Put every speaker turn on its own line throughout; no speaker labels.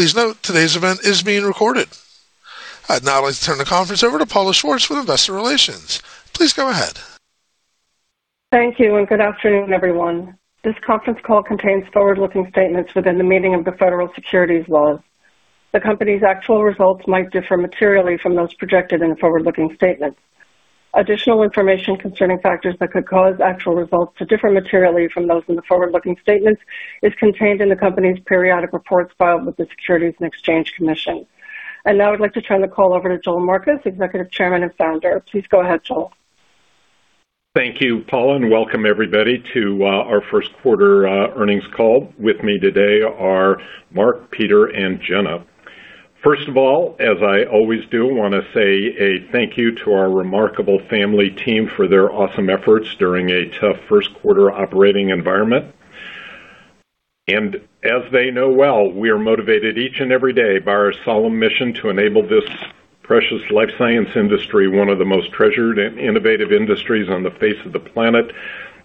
Please note today's event is being recorded. I'd now like to turn the conference over to Paula Schwartz with Investor Relations. Please go ahead.
Thank you, and good afternoon, everyone. This conference call contains forward-looking statements within the meaning of the federal securities laws. The company's actual results might differ materially from those projected in the forward-looking statements. Additional information concerning factors that could cause actual results to differ materially from those in the forward-looking statements is contained in the company's periodic reports filed with the Securities and Exchange Commission. Now I'd like to turn the call over to Joel Marcus, Executive Chairman and Founder. Please go ahead, Joel.
Thank you, Paula, and welcome everybody to our first quarter earnings call. With me today are Marc, Peter, and Jenna. First of all, as I always do, wanna say a thank you to our remarkable family team for their awesome efforts during a tough first quarter operating environment. As they know well, we are motivated each and every day by our solemn mission to enable this precious life science industry, one of the most treasured and innovative industries on the face of the planet,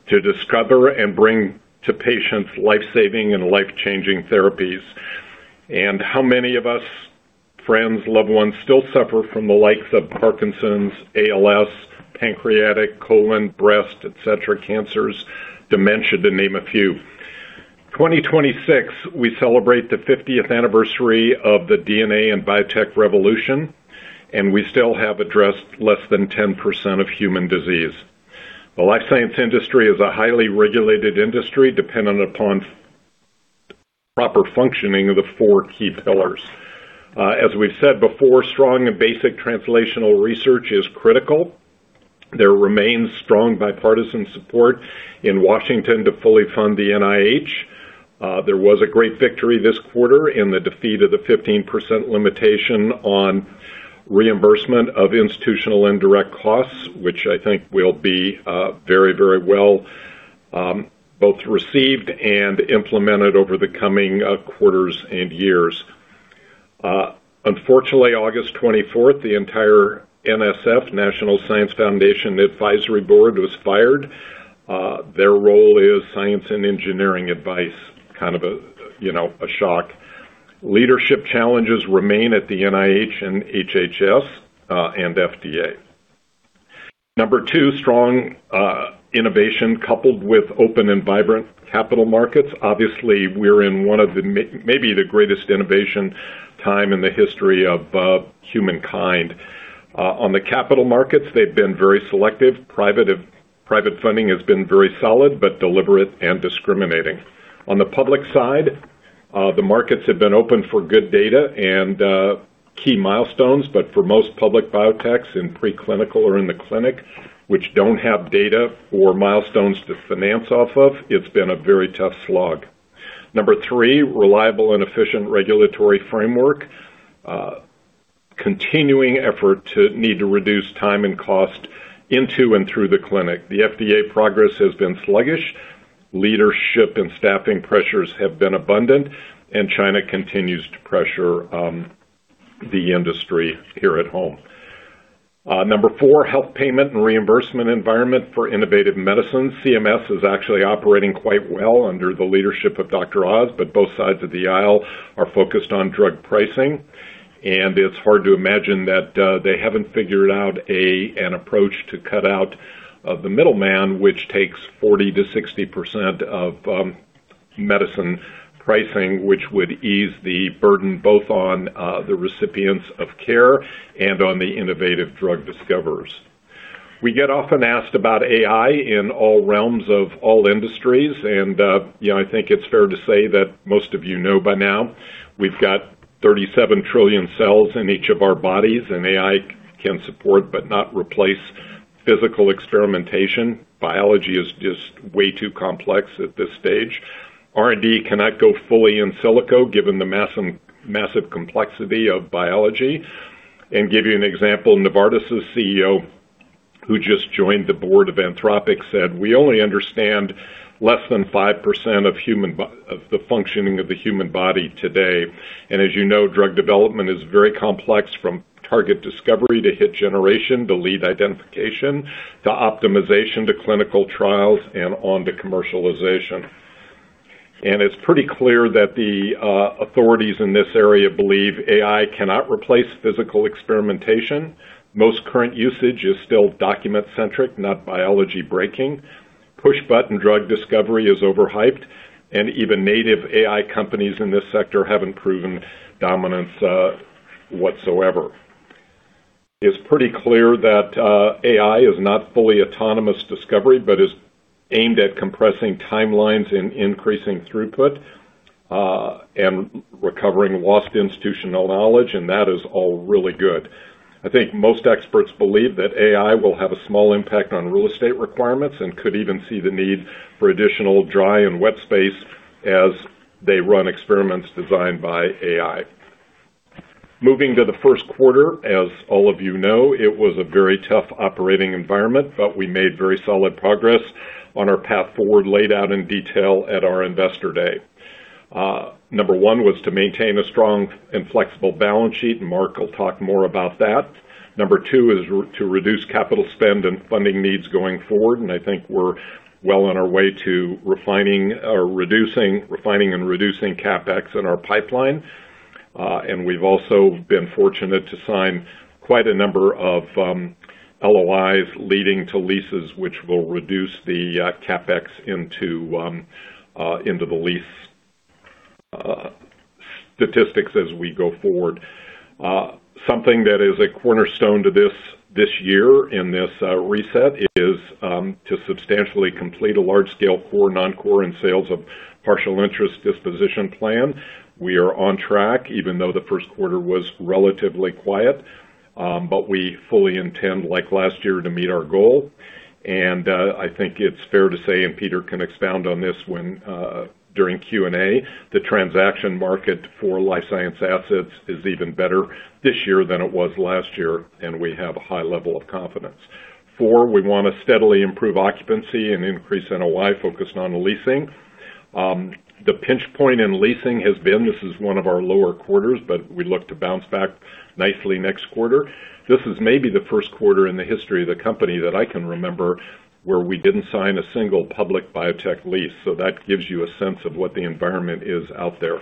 to discover and bring to patients life-saving and life-changing therapies. How many of us, friends, loved ones, still suffer from the likes of Parkinson's, ALS, pancreatic, colon, breast, et cetera, cancers, dementia, to name a few. 2026, we celebrate the 50th anniversary of the DNA and biotech revolution, and we still have addressed less than 10% of human disease. The life science industry is a highly regulated industry dependent upon proper functioning of the four key pillars. As we've said before, strong and basic translational research is critical. There remains strong bipartisan support in Washington to fully fund the NIH. There was a great victory this quarter in the defeat of the 15% limitation on reimbursement of institutional indirect costs, which I think will be very, very well both received and implemented over the coming quarters and years. Unfortunately, August 24th, the entire NSF, National Science Foundation Advisory Board, was fired. Their role is science and engineering advice, kind of a, you know, a shock. Leadership challenges remain at the NIH and HHS and FDA. Number two, strong innovation coupled with open and vibrant capital markets. Obviously, we're in one of the maybe the greatest innovation time in the history of humankind. On the capital markets, they've been very selective. Private funding has been very solid, but deliberate and discriminating. On the public side, the markets have been open for good data and key milestones, but for most public biotechs in preclinical or in the clinic, which don't have data or milestones to finance off of, it's been a very tough slog. Number three, reliable and efficient regulatory framework. Continuing effort to need to reduce time and cost into and through the clinic. The FDA progress has been sluggish. Leadership and staffing pressures have been abundant. China continues to pressure the industry here at home. Number four, health payment and reimbursement environment for innovative medicine. CMS is actually operating quite well under the leadership of Dr. Oz, but both sides of the aisle are focused on drug pricing, and it's hard to imagine that they haven't figured out an approach to cut out the middleman, which takes 40%-60% of medicine pricing, which would ease the burden both on the recipients of care and on the innovative drug discoverers. We get often asked about AI in all realms of all industries, and, you know, I think it's fair to say that most of you know by now we've got 37 trillion cells in each of our bodies, and AI can support but not replace physical experimentation. Biology is just way too complex at this stage. R&D cannot go fully in silico, given the massive complexity of biology. Give you an example, Novartis' CEO, who just joined The Board of Anthropic, said, "We only understand less than 5% of the functioning of the human body today." As you know, drug development is very complex from target discovery, to hit generation, to lead identification, to optimization, to clinical trials, and on to commercialization. It's pretty clear that the authorities in this area believe AI cannot replace physical experimentation. Most current usage is still document-centric, not biology breaking. Push-button drug discovery is overhyped. Even native AI companies in this sector haven't proven dominance whatsoever. It's pretty clear that AI is not fully autonomous discovery but is aimed at compressing timelines and increasing throughput and recovering lost institutional knowledge, and that is all really good. I think most experts believe that AI will have a small impact on real estate requirements and could even see the need for additional dry and wet space as they run experiments designed by AI. Moving to the first quarter, as all of you know, it was a very tough operating environment, but we made very solid progress on our path forward, laid out in detail at our Investor Day. Number one was to maintain a strong and flexible balance sheet, and Marc will talk more about that. Number two is to reduce capital spend and funding needs going forward, and I think we're well on our way to refining and reducing CapEx in our pipeline. We've also been fortunate to sign quite a number of LOIs leading to leases which will reduce the CapEx into the lease statistics as we go forward. Something that is a cornerstone to this year in this reset is to substantially complete a large scale core/non-core and sales of partial interest disposition plan. We are on track even though the first quarter was relatively quiet. We fully intend, like last year, to meet our goal. I think it's fair to say, and Peter can expound on this when during Q&A, the transaction market for life science assets is even better this year than it was last year, and we have a high level of confidence. Four, we wanna steadily improve occupancy and increase NOI focused on leasing. The pinch point in leasing has been, this is one of our lower quarters, but we look to bounce back nicely next quarter. This is maybe the first quarter in the history of the company that I can remember where we didn't sign a single public biotech lease. That gives you a sense of what the environment is out there.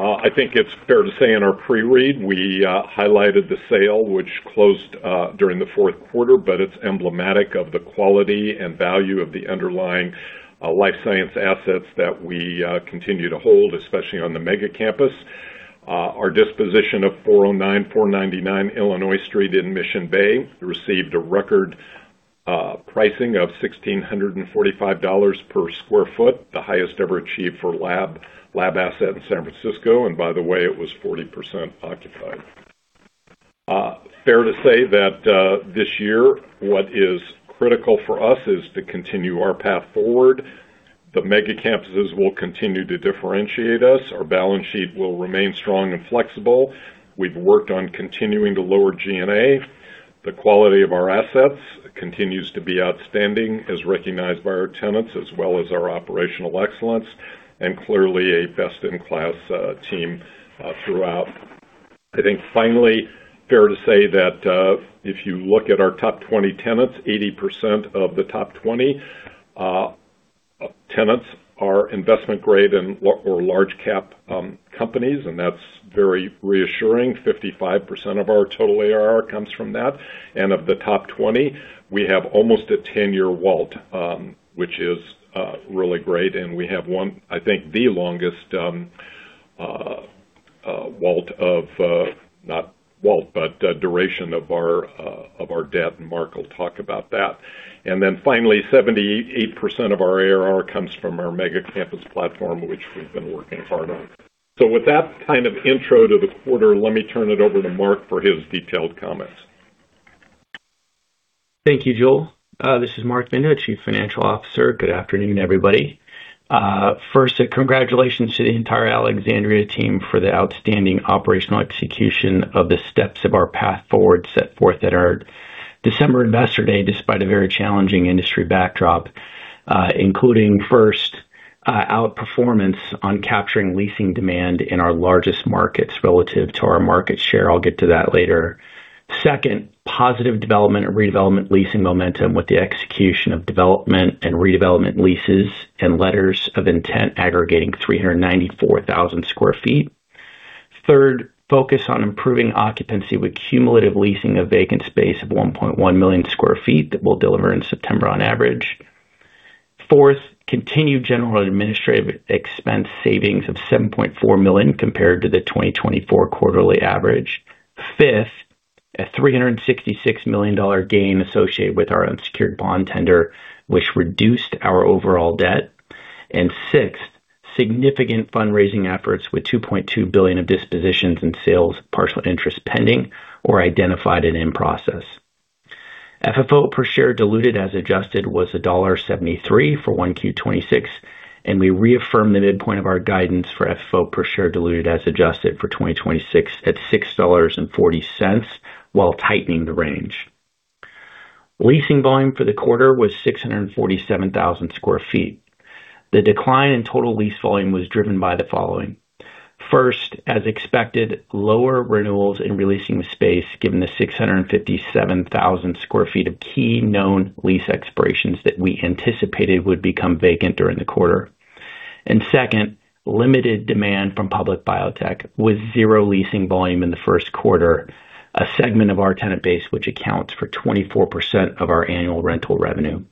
I think it's fair to say in our pre-read, we highlighted the sale, which closed during the fourth quarter, but it's emblematic of the quality and value of the underlying life science assets that we continue to hold, especially on the Megacampus. Our disposition of 409 499 Illinois Street in Mission Bay received a record pricing of $1,645 per square foot, the highest ever achieved for lab asset in San Francisco. By the way, it was 40% occupied. Fair to say that this year, what is critical for us is to continue our path forward. The Megacampuses will continue to differentiate us. Our balance sheet will remain strong and flexible. We've worked on continuing to lower G&A. The quality of our assets continues to be outstanding, as recognized by our tenants as well as our operational excellence, and clearly a best in class team throughout. I think finally, fair to say that if you look at our top 20 tenants, 80% of the top 20 tenants are investment grade and or large cap companies, and that's very reassuring. 55% of our total ARR comes from that. Of the top 20, we have almost a 10-year WALT, which is really great. We have one, I think the longest WALT of, not WALT, but duration of our debt, and Marc will talk about that. Finally, 78% of our ARR comes from our Megacampus platform, which we've been working hard on. With that kind of intro to the quarter, let me turn it over to Marc for his detailed comments.
Thank you, Joel. This is Marc Binda, Chief Financial Officer. Good afternoon, everybody. First, congratulations to the entire Alexandria team for the outstanding operational execution of the steps of our path forward set forth at our December Investor Day, despite a very challenging industry backdrop, including, first, outperformance on capturing leasing demand in our largest markets relative to our market share. I'll get to that later. Second, positive development and redevelopment leasing momentum with the execution of development and redevelopment leases and letters of intent aggregating 394,000 sq ft. Third, focus on improving occupancy with cumulative leasing of vacant space of 1.1 million sq ft that we'll deliver in September on average. Fourth, continued general administrative expense savings of $7.4 million compared to the 2024 quarterly average. Fifth, a $366 million gain associated with our unsecured bond tender, which reduced our overall debt. Sixth, significant fundraising efforts with $2.2 billion of dispositions in sales partial interest pending or identified and in process. FFO per share diluted as adjusted was $1.73 for 1Q 2026. We reaffirm the midpoint of our guidance for FFO per share diluted as adjusted for 2026 at $6.40 while tightening the range. Leasing volume for the quarter was 647,000 sq ft. The decline in total lease volume was driven by the following. First, as expected, lower renewals in releasing the space given the 657,000 sq ft of key known lease expirations that we anticipated would become vacant during the quarter. Second, limited demand from public biotech, with zero leasing volume in the first quarter, a segment of our tenant base which accounts for 24% of our annual rental revenue.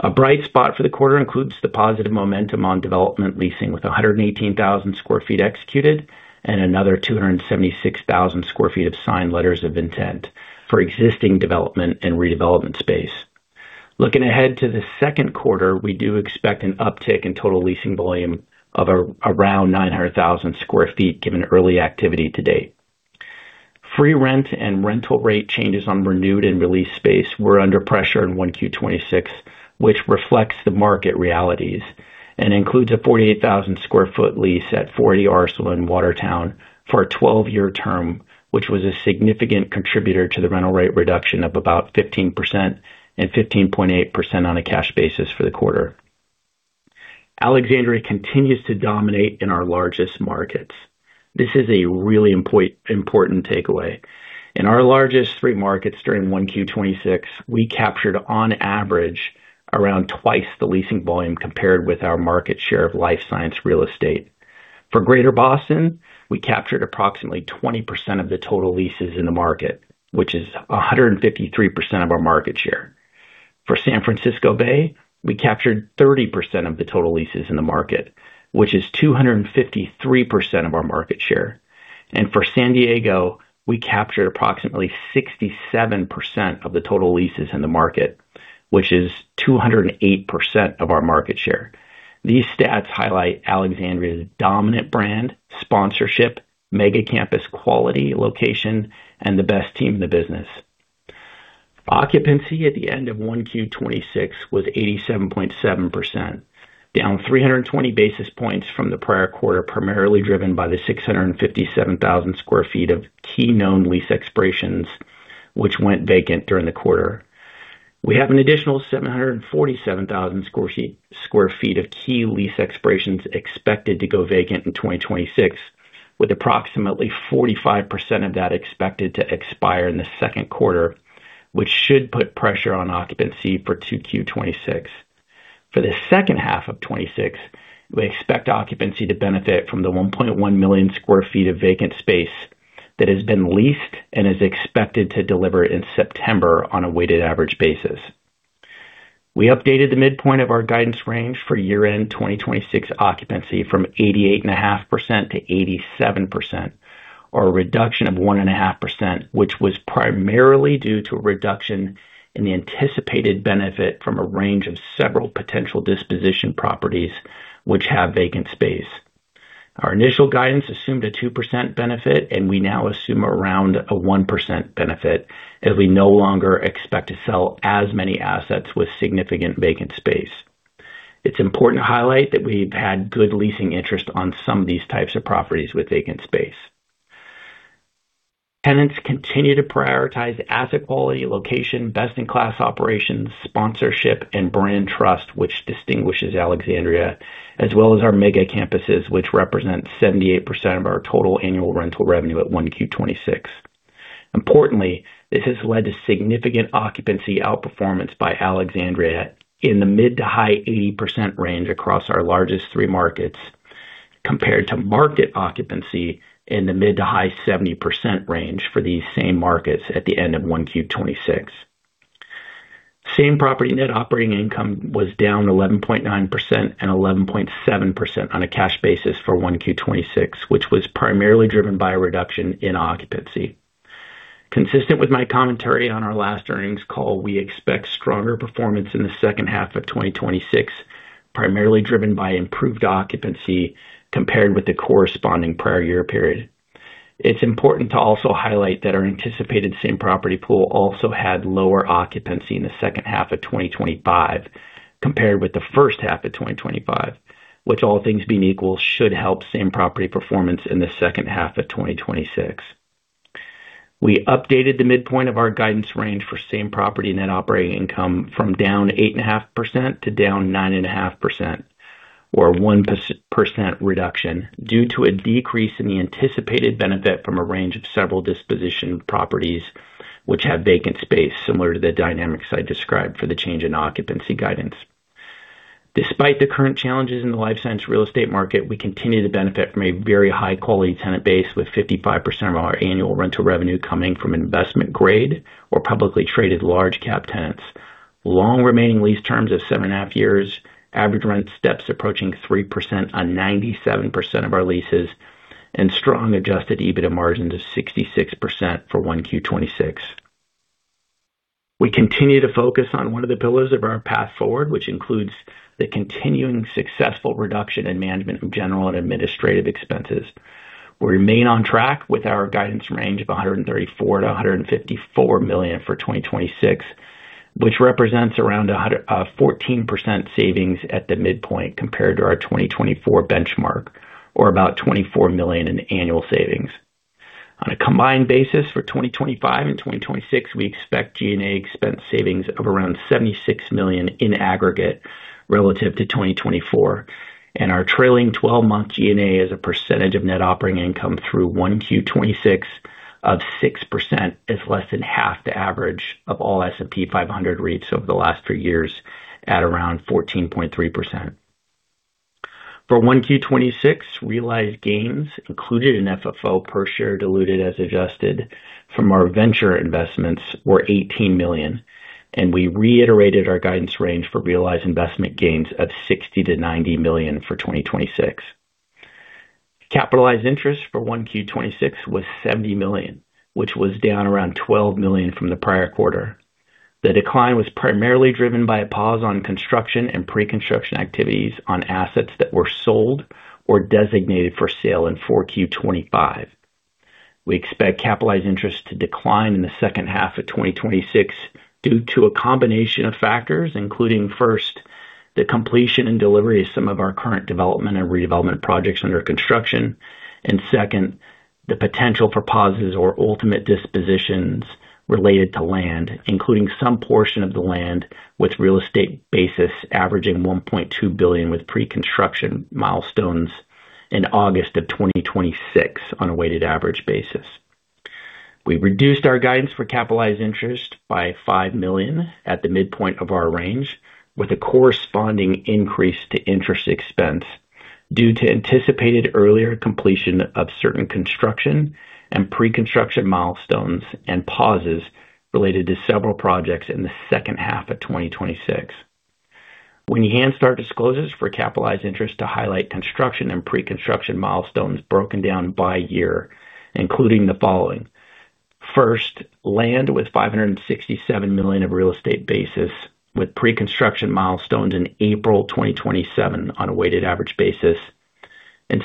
A bright spot for the quarter includes the positive momentum on development leasing, with 118,000 sq ft executed and another 276,000 sq ft of signed letters of intent for existing development and redevelopment space. Looking ahead to the second quarter, we do expect an uptick in total leasing volume of around 900,000 sq ft, given early activity to date. Free rent and rental rate changes on renewed and released space were under pressure in 1Q 2026, which reflects the market realities and includes a 48,000 sq ft lease at 40 Arsenal in Watertown for a 12-year term, which was a significant contributor to the rental rate reduction of about 15% and 15.8% on a cash basis for the quarter. Alexandria continues to dominate in our largest markets. This is a really important takeaway. In our largest three markets during 1Q 2026, we captured on average around twice the leasing volume compared with our market share of life science real estate. For Greater Boston, we captured approximately 20% of the total leases in the market, which is 153% of our market share. For San Francisco Bay, we captured 30% of the total leases in the market, which is 253% of our market share. For San Diego, we captured approximately 67% of the total leases in the market, which is 208% of our market share. These stats highlight Alexandria's dominant brand, sponsorship, Megacampus quality, location, and the best team in the business. Occupancy at the end of 1Q 2026 was 87.7%, down 320 basis points from the prior quarter, primarily driven by the 657,000 sq ft of key known lease expirations, which went vacant during the quarter. We have an additional 747,000 sq ft of key lease expirations expected to go vacant in 2026, with approximately 45% of that expected to expire in the second quarter, which should put pressure on occupancy for 2Q 2026. For the second half of 2026, we expect occupancy to benefit from the 1.1 million sq ft of vacant space that has been leased and is expected to deliver in September on a weighted average basis. We updated the midpoint of our guidance range for year-end 2026 occupancy from 88.5% to 87%, or a reduction of 1.5%, which was primarily due to a reduction in the anticipated benefit from a range of several potential disposition properties which have vacant space. Our initial guidance assumed a 2% benefit, and we now assume around a 1% benefit as we no longer expect to sell as many assets with significant vacant space. It's important to highlight that we've had good leasing interest on some of these types of properties with vacant space. Tenants continue to prioritize asset quality, location, best in class operations, sponsorship and brand trust, which distinguishes Alexandria as well as our Megacampuses, which represent 78% of our total annual rental revenue at 1Q 2026. Importantly, this has led to significant occupancy outperformance by Alexandria in the mid-to-high 80% range across our largest three markets, compared to market occupancy in the mid-to-high 70% range for these same markets at the end of 1Q 2026. Same property net operating income was down 11.9% and 11.7% on a cash basis for 1Q 2026, which was primarily driven by a reduction in occupancy. Consistent with my commentary on our last earnings call, we expect stronger performance in the second half of 2026, primarily driven by improved occupancy compared with the corresponding prior year period. It's important to also highlight that our anticipated same property pool also had lower occupancy in the second half of 2025 compared with the first half of 2025, which all things being equal, should help same property performance in the second half of 2026. We updated the midpoint of our guidance range for same property Net Operating Income from down 8.5% to down 9.5%, or 1% reduction due to a decrease in the anticipated benefit from a range of several disposition properties which have vacant space, similar to the dynamics I described for the change in occupancy guidance. Despite the current challenges in the life science real estate market, we continue to benefit from a very high quality tenant base with 55% of our annual rental revenue coming from investment grade or publicly traded large cap tenants. Long remaining lease terms of 7.5 years. Average rent steps approaching 3% on 97% of our leases and strong adjusted EBITDA margin to 66% for 1Q 2026. We continue to focus on one of the pillars of our path forward, which includes the continuing successful reduction in management of general and administrative expenses. We remain on track with our guidance range of $134 million-$154 million for 2026, which represents around 14% savings at the midpoint compared to our 2024 benchmark, or about $24 million in annual savings. On a combined basis for 2025 and 2026, we expect G&A expense savings of around $76 million in aggregate relative to 2024, and our trailing 12-month G&A as a percentage of net operating income through 1Q 2026 of 6% is less than half the average of all S&P 500 REITs over the last three years, at around 14.3%. For 1Q 2026, realized gains included in FFO per share diluted as adjusted from our venture investments were $18 million, and we reiterated our guidance range for realized investment gains of $60 million-$90 million for 2026. Capitalized interest for 1Q 2026 was $70 million, which was down around $12 million from the prior quarter. The decline was primarily driven by a pause on construction and pre-construction activities on assets that were sold or designated for sale in 4Q 2025. We expect capitalized interest to decline in the second half of 2026 due to a combination of factors, including first, the completion and delivery of some of our current development and redevelopment projects under construction, and second, the potential for pauses or ultimate dispositions related to land, including some portion of the land with real estate basis averaging $1.2 billion with pre-construction milestones in August of 2026 on a weighted average basis. We reduced our guidance for capitalized interest by $5 million at the midpoint of our range, with a corresponding increase to interest expense due to anticipated earlier completion of certain construction and pre-construction milestones and pauses related to several projects in the second half of 2026. We enhanced our disclosures for capitalized interest to highlight construction and pre-construction milestones broken down by year, including the following. First, land with $567 million of real estate basis, with pre-construction milestones in April 2027 on a weighted average basis.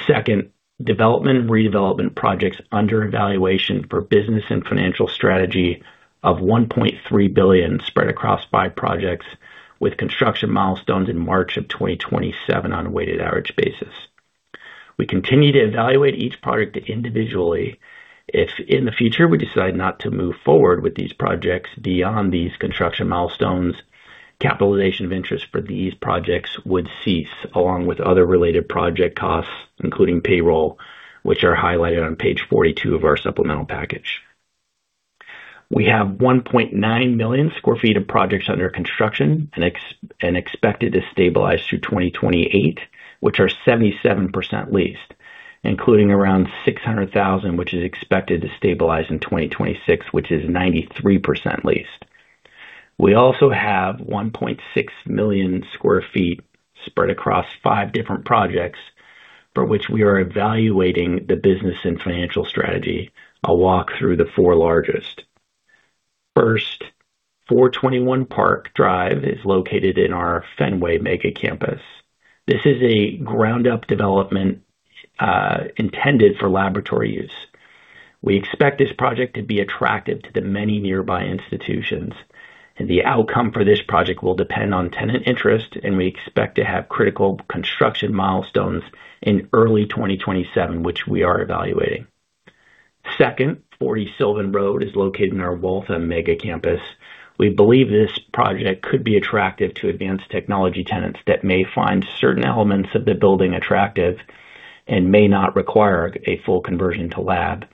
Second, development and redevelopment projects under evaluation for business and financial strategy of $1.3 billion spread across five projects, with construction milestones in March 2027 on a weighted average basis. We continue to evaluate each project individually. If in the future we decide not to move forward with these projects beyond these construction milestones, capitalization of interest for these projects would cease, along with other related project costs, including payroll, which are highlighted on page 42 of our supplemental package. We have 1.9 million sq ft of projects under construction and expected to stabilize through 2028, which are 77% leased, including around 600,000 sq ft, which is expected to stabilize in 2026, which is 93% leased. We also have 1.6 million sq ft spread across five different projects for which we are evaluating the business and financial strategy. I'll walk through the four largest. First, 421 Park Drive is located in our Fenway Megacampus. This is a ground-up development, intended for laboratory use. We expect this project to be attractive to the many nearby institutions, and the outcome for this project will depend on tenant interest, and we expect to have critical construction milestones in early 2027, which we are evaluating. Second, 40 Sylvan Road is located in our Waltham Megacampus. We believe this project could be attractive to advanced technology tenants that may find certain elements of the building attractive and may not require a full conversion to lab.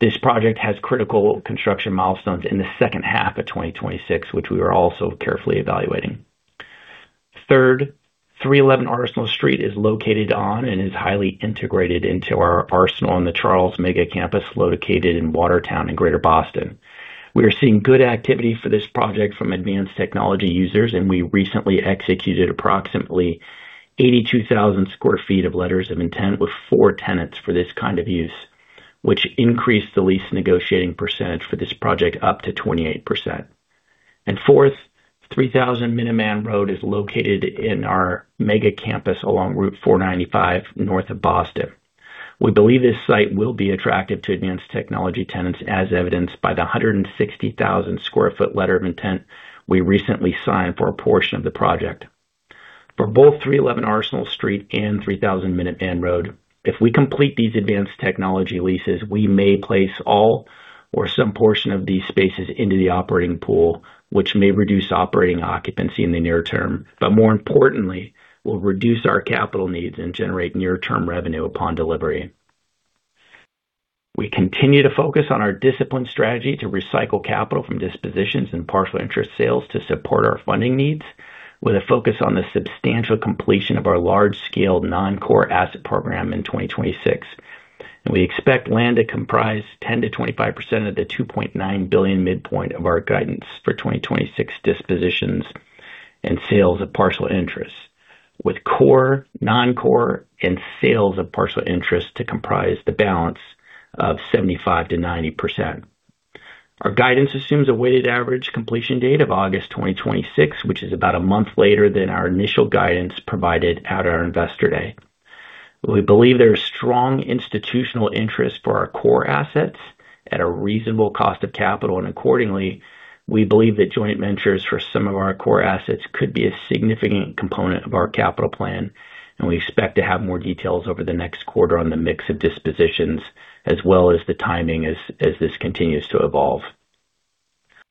This project has critical construction milestones in the second half of 2026, which we are also carefully evaluating. Third, 311 Arsenal Street is located on and is highly integrated into our Arsenal on the Charles Megacampus located in Watertown in Greater Boston. We are seeing good activity for this project from advanced technology users, and we recently executed approximately 82,000 sq ft of Letters of Intent with four tenants for this kind of use, which increased the lease negotiating percentage for this project up to 28%. Fourth, 3000 Minuteman Road is located in our Megacampus along Route 495 north of Boston. We believe this site will be attractive to advanced technology tenants, as evidenced by the 160,000 sq ft letter of intent we recently signed for a portion of the project. For both 311 Arsenal Street and 3000 Minuteman Road, if we complete these advanced technology leases, we may place all or some portion of these spaces into the operating pool, which may reduce operating occupancy in the near term, but more importantly, will reduce our capital needs and generate near-term revenue upon delivery. We continue to focus on our disciplined strategy to recycle capital from dispositions and partial interest sales to support our funding needs, with a focus on the substantial completion of our large-scale non-core asset program in 2026. We expect land to comprise 10%-25% of the $2.9 billion midpoint of our guidance for 2026 dispositions and sales of partial interest, with core, non-core, and sales of partial interest to comprise the balance of 75%-90%. Our guidance assumes a weighted average completion date of August 2026, which is about 1 month later than our initial guidance provided at our Investor Day. We believe there is strong institutional interest for our core assets at a reasonable cost of capital, and accordingly, we believe that joint ventures for some of our core assets could be a significant component of our capital plan, and we expect to have more details over the next quarter on the mix of dispositions as well as the timing as this continues to evolve.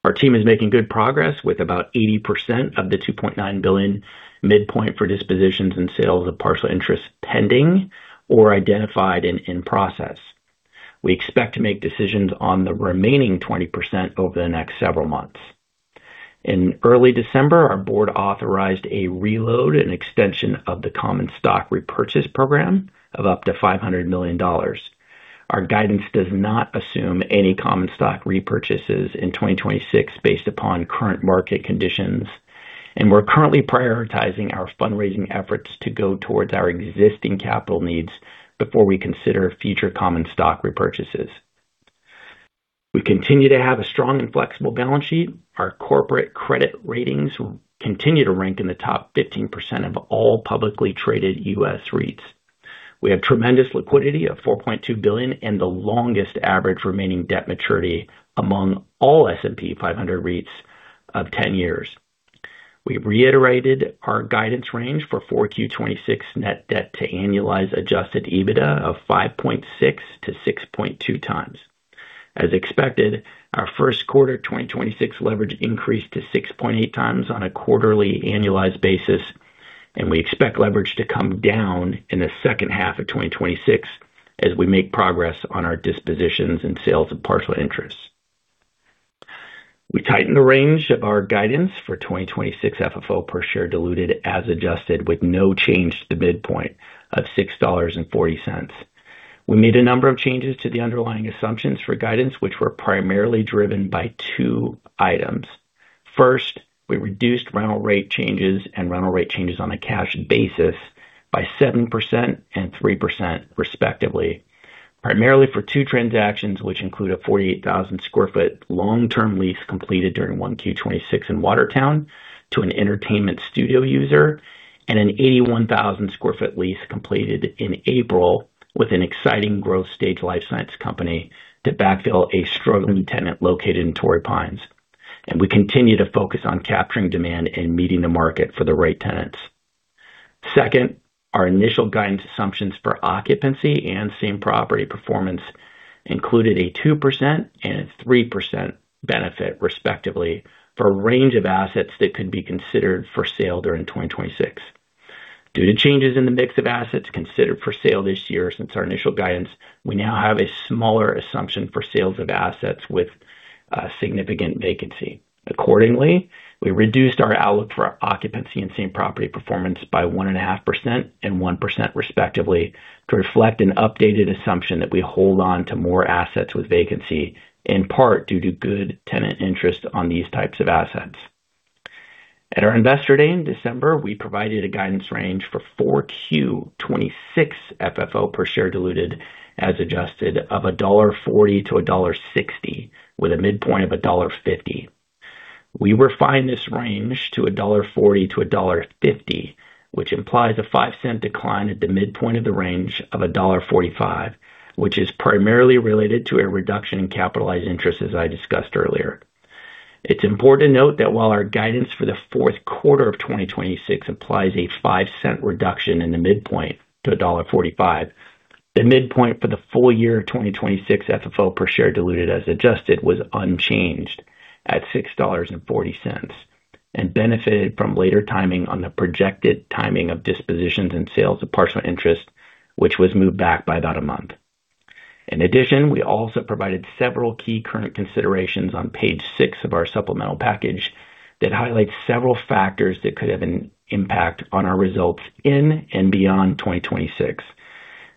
Our team is making good progress with about 80% of the $2.9 billion midpoint for dispositions and sales of partial interest pending or identified and in process. We expect to make decisions on the remaining 20% over the next several months. In early December, our Board authorized a reload and extension of the common stock repurchase program of up to $500 million. Our guidance does not assume any common stock repurchases in 2026 based upon current market conditions, and we're currently prioritizing our fundraising efforts to go towards our existing capital needs before we consider future common stock repurchases. We continue to have a strong and flexible balance sheet. Our corporate credit ratings continue to rank in the top 15% of all publicly traded U.S. REITs. We have tremendous liquidity of $4.2 billion and the longest average remaining debt maturity among all S&P 500 REITs of 10 years. We reiterated our guidance range for 4Q 2026 net debt to annualize adjusted EBITDA of 5.6x-6.2x. As expected, our first quarter 2026 leverage increased to 6.8x on a quarterly annualized basis, and we expect leverage to come down in the second half of 2026 as we make progress on our dispositions and sales of partial interests. We tightened the range of our guidance for 2026 FFO per share diluted as adjusted with no change to the midpoint of $6.40. We made a number of changes to the underlying assumptions for guidance, which were primarily driven by two items. First, we reduced rental rate changes and rental rate changes on a cash basis by 7% and 3% respectively, primarily for two transactions, which include a 48,000 sq ft long term lease completed during 1Q 2026 in Watertown to an entertainment studio user and an 81,000 sq ft lease completed in April with an exciting growth stage life science company to backfill a struggling tenant located in Torrey Pines. We continue to focus on capturing demand and meeting the market for the right tenants. Second, our initial guidance assumptions for occupancy and same property performance included a 2% and a 3% benefit, respectively, for a range of assets that could be considered for sale during 2026. Due to changes in the mix of assets considered for sale this year since our initial guidance, we now have a smaller assumption for sales of assets with significant vacancy. Accordingly, we reduced our outlook for occupancy and same property performance by 1.5% and 1% respectively, to reflect an updated assumption that we hold on to more assets with vacancy, in part due to good tenant interest on these types of assets. At our Investor Day in December, we provided a guidance range for 4Q 2026 FFO per share diluted as adjusted of $1.40-$1.60, with a midpoint of $1.50. We refine this range to $1.40-$1.50, which implies a $0.05 decline at the midpoint of the range of $1.45, which is primarily related to a reduction in capitalized interest, as I discussed earlier. It's important to note that while our guidance for the fourth quarter of 2026 implies a $0.05 reduction in the midpoint to $1.45, the midpoint for the full year of 2026 FFO per share diluted as adjusted was unchanged at $6.40 and benefited from later timing on the projected timing of dispositions and sales of partial interest, which was moved back by about a month. In addition, we also provided several key current considerations on page six of our supplemental package that highlights several factors that could have an impact on our results in and beyond 2026,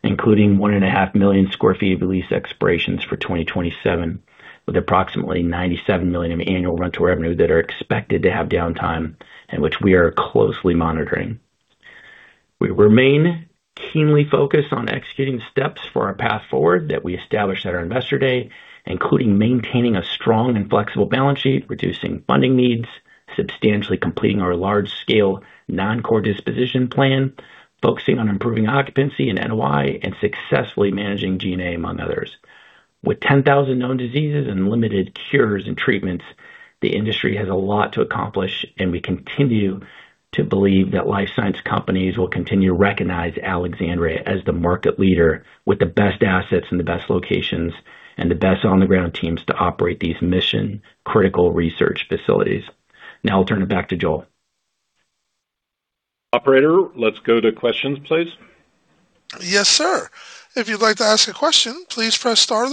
including 1.5 million sq ft of lease expirations for 2027, with approximately $97 million of annual rental revenue that are expected to have downtime and which we are closely monitoring. We remain keenly focused on executing steps for our path forward that we established at our Investor Day, including maintaining a strong and flexible balance sheet, reducing funding needs, substantially completing our large scale non-core disposition plan, focusing on improving occupancy and NOI, and successfully managing G&A, among others. With 10,000 known diseases and limited cures and treatments, the industry has a lot to accomplish. We continue to believe that life science companies will continue to recognize Alexandria as the market leader with the best assets and the best locations and the best on the ground teams to operate these mission critical research facilities. Now I'll turn it back to Joel.
Operator, let's go to questions, please.
Yes, sir. Today's first question comes from Farrell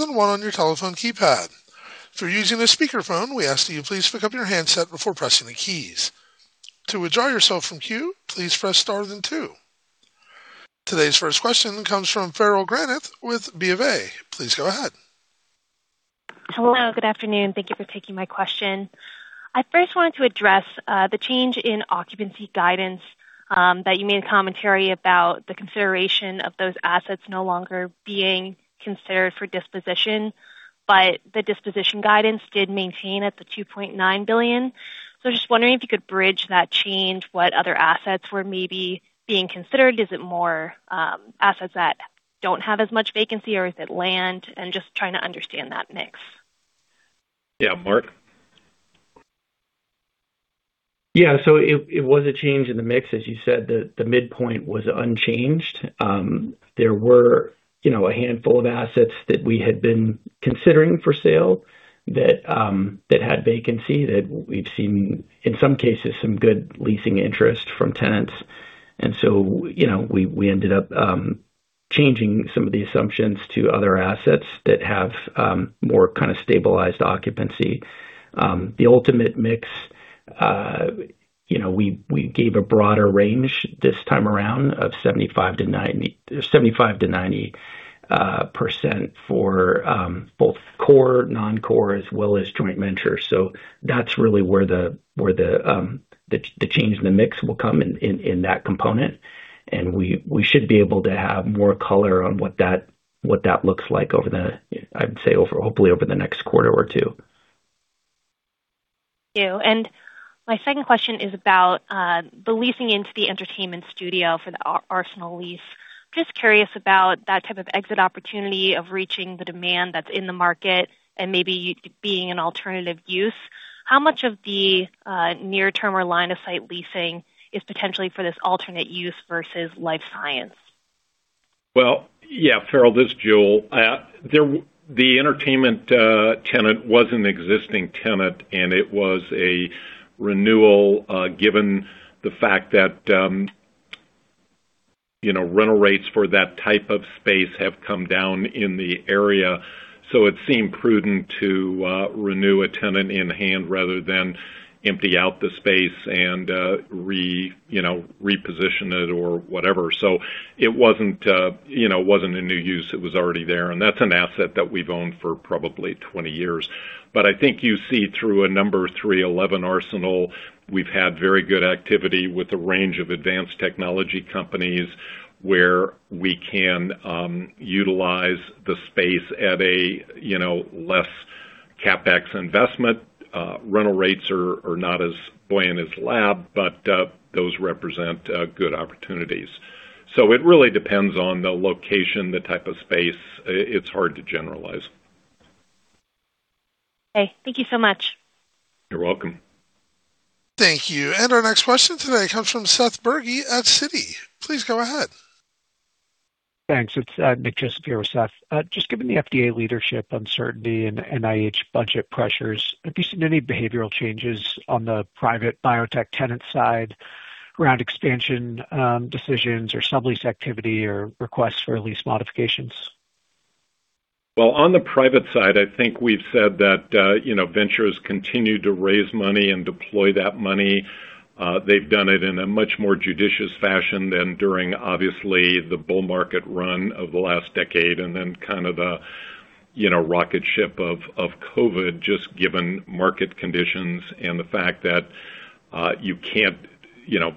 Granath with BofA. Please go ahead.
Hello. Good afternoon. Thank you for taking my question. I first wanted to address the change in occupancy guidance that you made a commentary about the consideration of those assets no longer being considered for disposition, but the disposition guidance did maintain at the $2.9 billion. Just wondering if you could bridge that change. What other assets were maybe being considered? Is it more assets that don't have as much vacancy, or is it land? Just trying to understand that mix.
Yeah. Marc?
It was a change in the mix. As you said, the midpoint was unchanged. There were, you know, a handful of assets that we had been considering for sale that had vacancy, that we've seen, in some cases, some good leasing interest from tenants. You know, we ended up changing some of the assumptions to other assets that have more kind of stabilized occupancy. The ultimate mix, you know, we gave a broader range this time around of 75%-90% for both core, non-core as well as joint venture. That's really where the change in the mix will come in that component. We should be able to have more color on what that looks like I'd say over, hopefully over the next quarter or two.
Thank you. My second question is about the leasing into the entertainment studio for the Arsenal lease. Just curious about that type of exit opportunity of reaching the demand that's in the market and maybe it being an alternative use. How much of the near-term or line of sight leasing is potentially for this alternate use versus Life Science?
Well, yeah. Farrell, this is Joel. The entertainment tenant was an existing tenant, and it was a renewal, given the fact that, you know, rental rates for that type of space have come down in the area. It seemed prudent to renew a tenant in hand rather than empty out the space and, you know, reposition it or whatever. It wasn't, you know, it wasn't a new use. It was already there. That's an asset that we've owned for probably 20 years. I think you see through a number 311 Arsenal, we've had very good activity with a range of advanced technology companies where we can utilize the space at a, you know, less CapEx investment. Rental rates are not as bland as lab, but those represent good opportunities. It really depends on the location, the type of space. It's hard to generalize.
Okay. Thank you so much.
You're welcome.
Thank you. Our next question today comes from Seth Bergey at Citi. Please go ahead.
Thanks. It's Nick Joseph here with Seth. Just given the FDA leadership uncertainty and NIH budget pressures, have you seen any behavioral changes on the private biotech tenant side around expansion, decisions or sublease activity or requests for lease modifications?
Well, on the private side, I think we've said that, you know, ventures continue to raise money and deploy that money. They've done it in a much more judicious fashion than during obviously the bull market run of the last decade and then kind of a, you know, rocket ship of COVID, just given market conditions and the fact that, you can't. You know,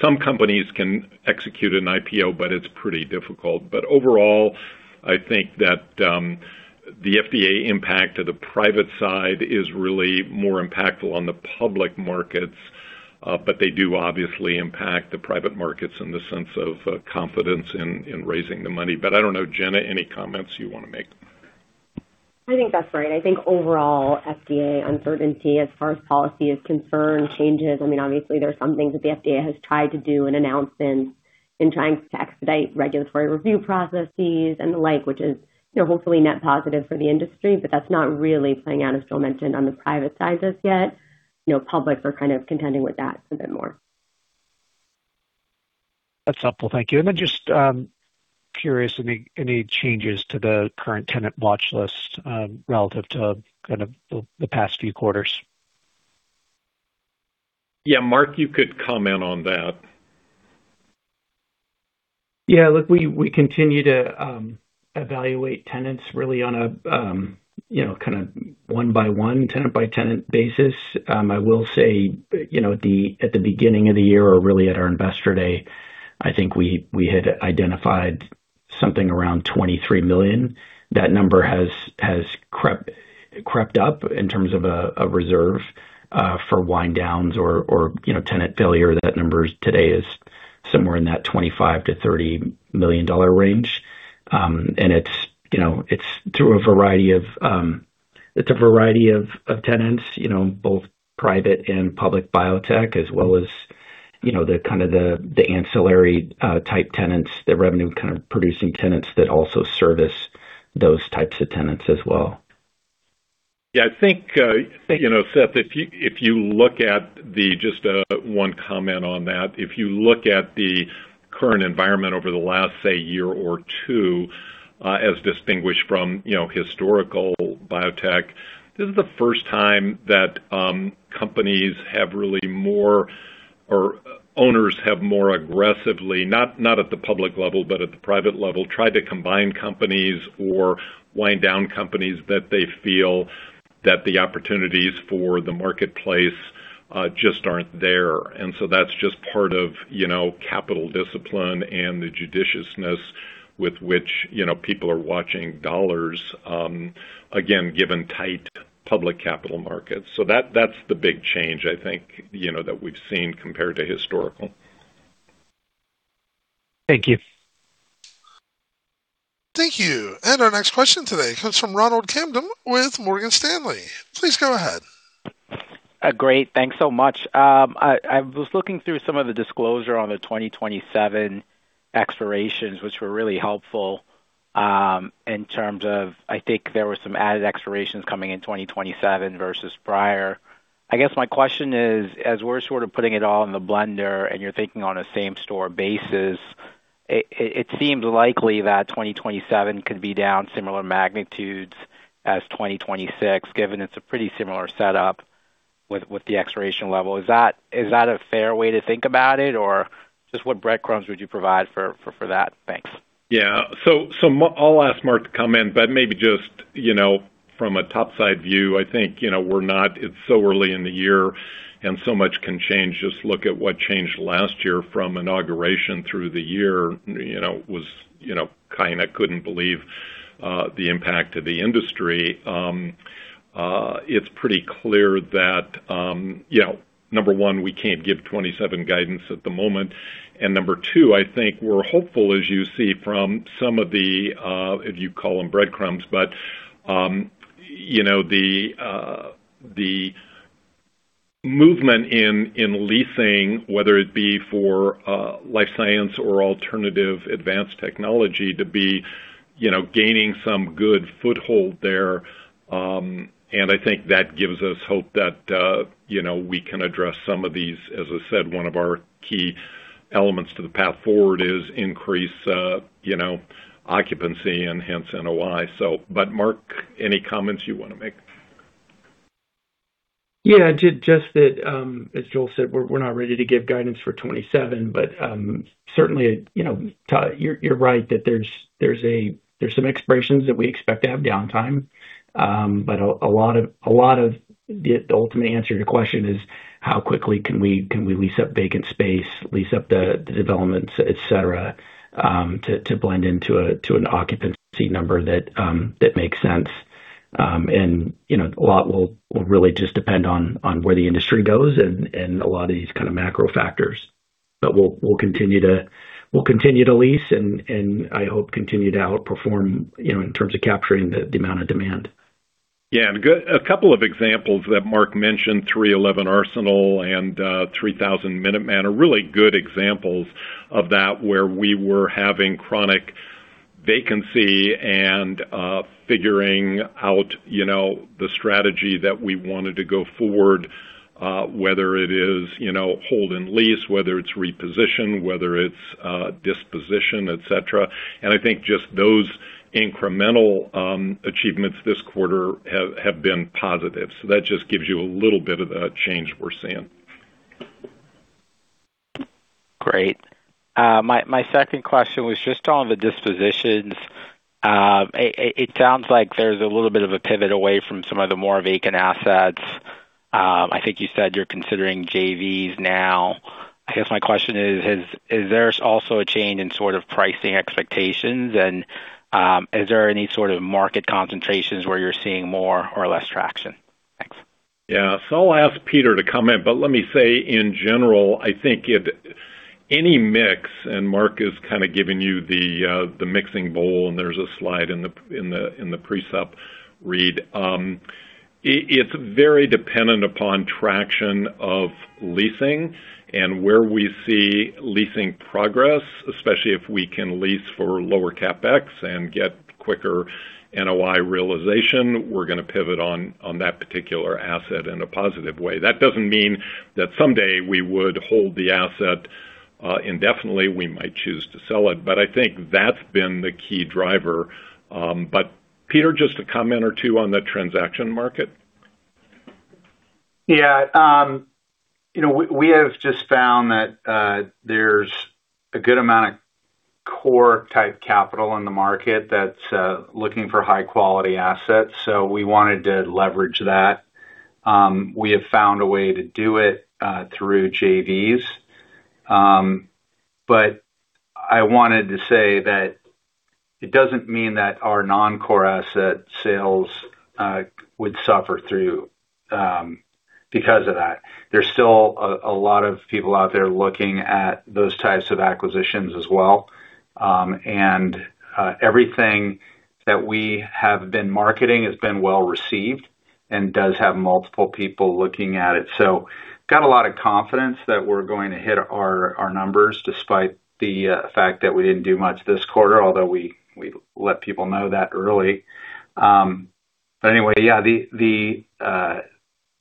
some companies can execute an IPO, but it's pretty difficult. Overall, I think that, the FDA impact to the private side is really more impactful on the public markets, but they do obviously impact the private markets in the sense of, confidence in raising the money. I don't know. Jenna, any comments you wanna make?
I think that's right. I think overall FDA uncertainty as far as policy is concerned changes. I mean, obviously, there are some things that the FDA has tried to do and announced in trying to expedite regulatory review processes and the like, which is, you know, hopefully net positive for the industry, but that's not really playing out, as Joel mentioned, on the private side just yet. You know, public are kind of contending with that a bit more.
That's helpful. Thank you. Just, curious, any changes to the current tenant watch list, relative to kind of the past few quarters?
Yeah. Marc, you could comment on that.
Yeah. Look, we continue to evaluate tenants really on a, you know, kind of one by one, tenant by tenant basis. I will say, you know, at the, at the beginning of the year or really at our Investor Day, I think we had identified something around $23 million. That number has crept up in terms of a reserve for wind downs or, you know, tenant failure. That number today is somewhere in that $25 million-$30 million range. And it's, you know, it's through a variety of, it's a variety of tenants, you know, both private and public biotech as well as, you know, the kind of the ancillary type tenants, the revenue kind of producing tenants that also service those types of tenants as well.
Yeah. I think, Seth, if you, if you look at. Just one comment on that. If you look at the current environment over the last, say, year or two, as distinguished from historical biotech, this is the first time that companies have really more or owners have more aggressively, not at the public level, but at the private level, tried to combine companies or wind down companies that they feel that the opportunities for the marketplace just aren't there. That's just part of capital discipline and the judiciousness with which people are watching dollars, again, given tight public capital markets. That's the big change, I think, that we've seen compared to historical.
Thank you.
Thank you. Our next question today comes from Ronald Kamdem with Morgan Stanley. Please go ahead.
Great. Thanks so much. I was looking through some of the disclosure on the 2027 expirations, which were really helpful, in terms of, I think there were some added expirations coming in 2027 versus prior. I guess my question is, as we're sort of putting it all in the blender and you're thinking on a same store basis, it seems likely that 2027 could be down similar magnitudes as 2026, given it's a pretty similar setup with the expiration level. Is that a fair way to think about it? Or just what breadcrumbs would you provide for that? Thanks.
Yeah. I'll ask Marc to comment, but maybe just, you know, from a top side view, I think, you know, it's so early in the year and so much can change. Just look at what changed last year from inauguration through the year, you know, was, you know, kinda couldn't believe the impact of the industry. It's pretty clear that, you know, number one, we can't give 2027 guidance at the moment. Number two, I think we're hopeful, as you see from some of the, if you call them breadcrumbs, but, you know, the movement in leasing, whether it be for life science or alternative advanced technology to be, you know, gaining some good foothold there. I think that gives us hope that, you know, we can address some of these. As I said, one of our key elements to the path forward is increase, you know, occupancy and hence NOI. Marc, any comments you wanna make?
Yeah. Just that, as Joel said, we're not ready to give guidance for 2027. Certainly, you know, you're right that there's some expirations that we expect to have downtime. A lot of the ultimate answer to your question is how quickly can we lease up vacant space, lease up the developments, et cetera, to blend into an occupancy number that makes sense. You know, a lot will really just depend on where the industry goes and a lot of these kind of macro factors. We'll continue to lease and I hope continue to outperform, you know, in terms of capturing the amount of demand.
Yeah. A couple of examples that Marc mentioned, 311 Arsenal and 3000 Minuteman are really good examples of that, where we were having chronic vacancy and figuring out, you know, the strategy that we wanted to go forward, whether it is, you know, hold and lease, whether it's reposition, whether it's disposition, et cetera. I think just those incremental achievements this quarter have been positive. That just gives you a little bit of the change we're seeing.
Great. My second question was just on the dispositions. It sounds like there's a little bit of a pivot away from some of the more vacant assets. I think you said you're considering JVs now. I guess my question is there also a change in sort of pricing expectations? Is there any sort of market concentrations where you're seeing more or less traction? Thanks.
I'll ask Peter to comment, but let me say, in general, I think any mix, and Marc is kind of giving you the mixing bowl, and there's a slide in the precept read. It's very dependent upon traction of leasing and where we see leasing progress, especially if we can lease for lower CapEx and get quicker NOI realization, we're gonna pivot on that particular asset in a positive way. That doesn't mean that someday we would hold the asset indefinitely. We might choose to sell it, but I think that's been the key driver. Peter, just a comment or two on the transaction market.
Yeah. You know, we have just found that there's a good amount of core type capital in the market that's looking for high quality assets. We wanted to leverage that. We have found a way to do it through JVs. I wanted to say that it doesn't mean that our non-core asset sales would suffer through because of that. There's still a lot of people out there looking at those types of acquisitions as well. Everything that we have been marketing has been well received and does have multiple people looking at it. Got a lot of confidence that we're going to hit our numbers despite the fact that we didn't do much this quarter, although we let people know that early. Anyway, yeah,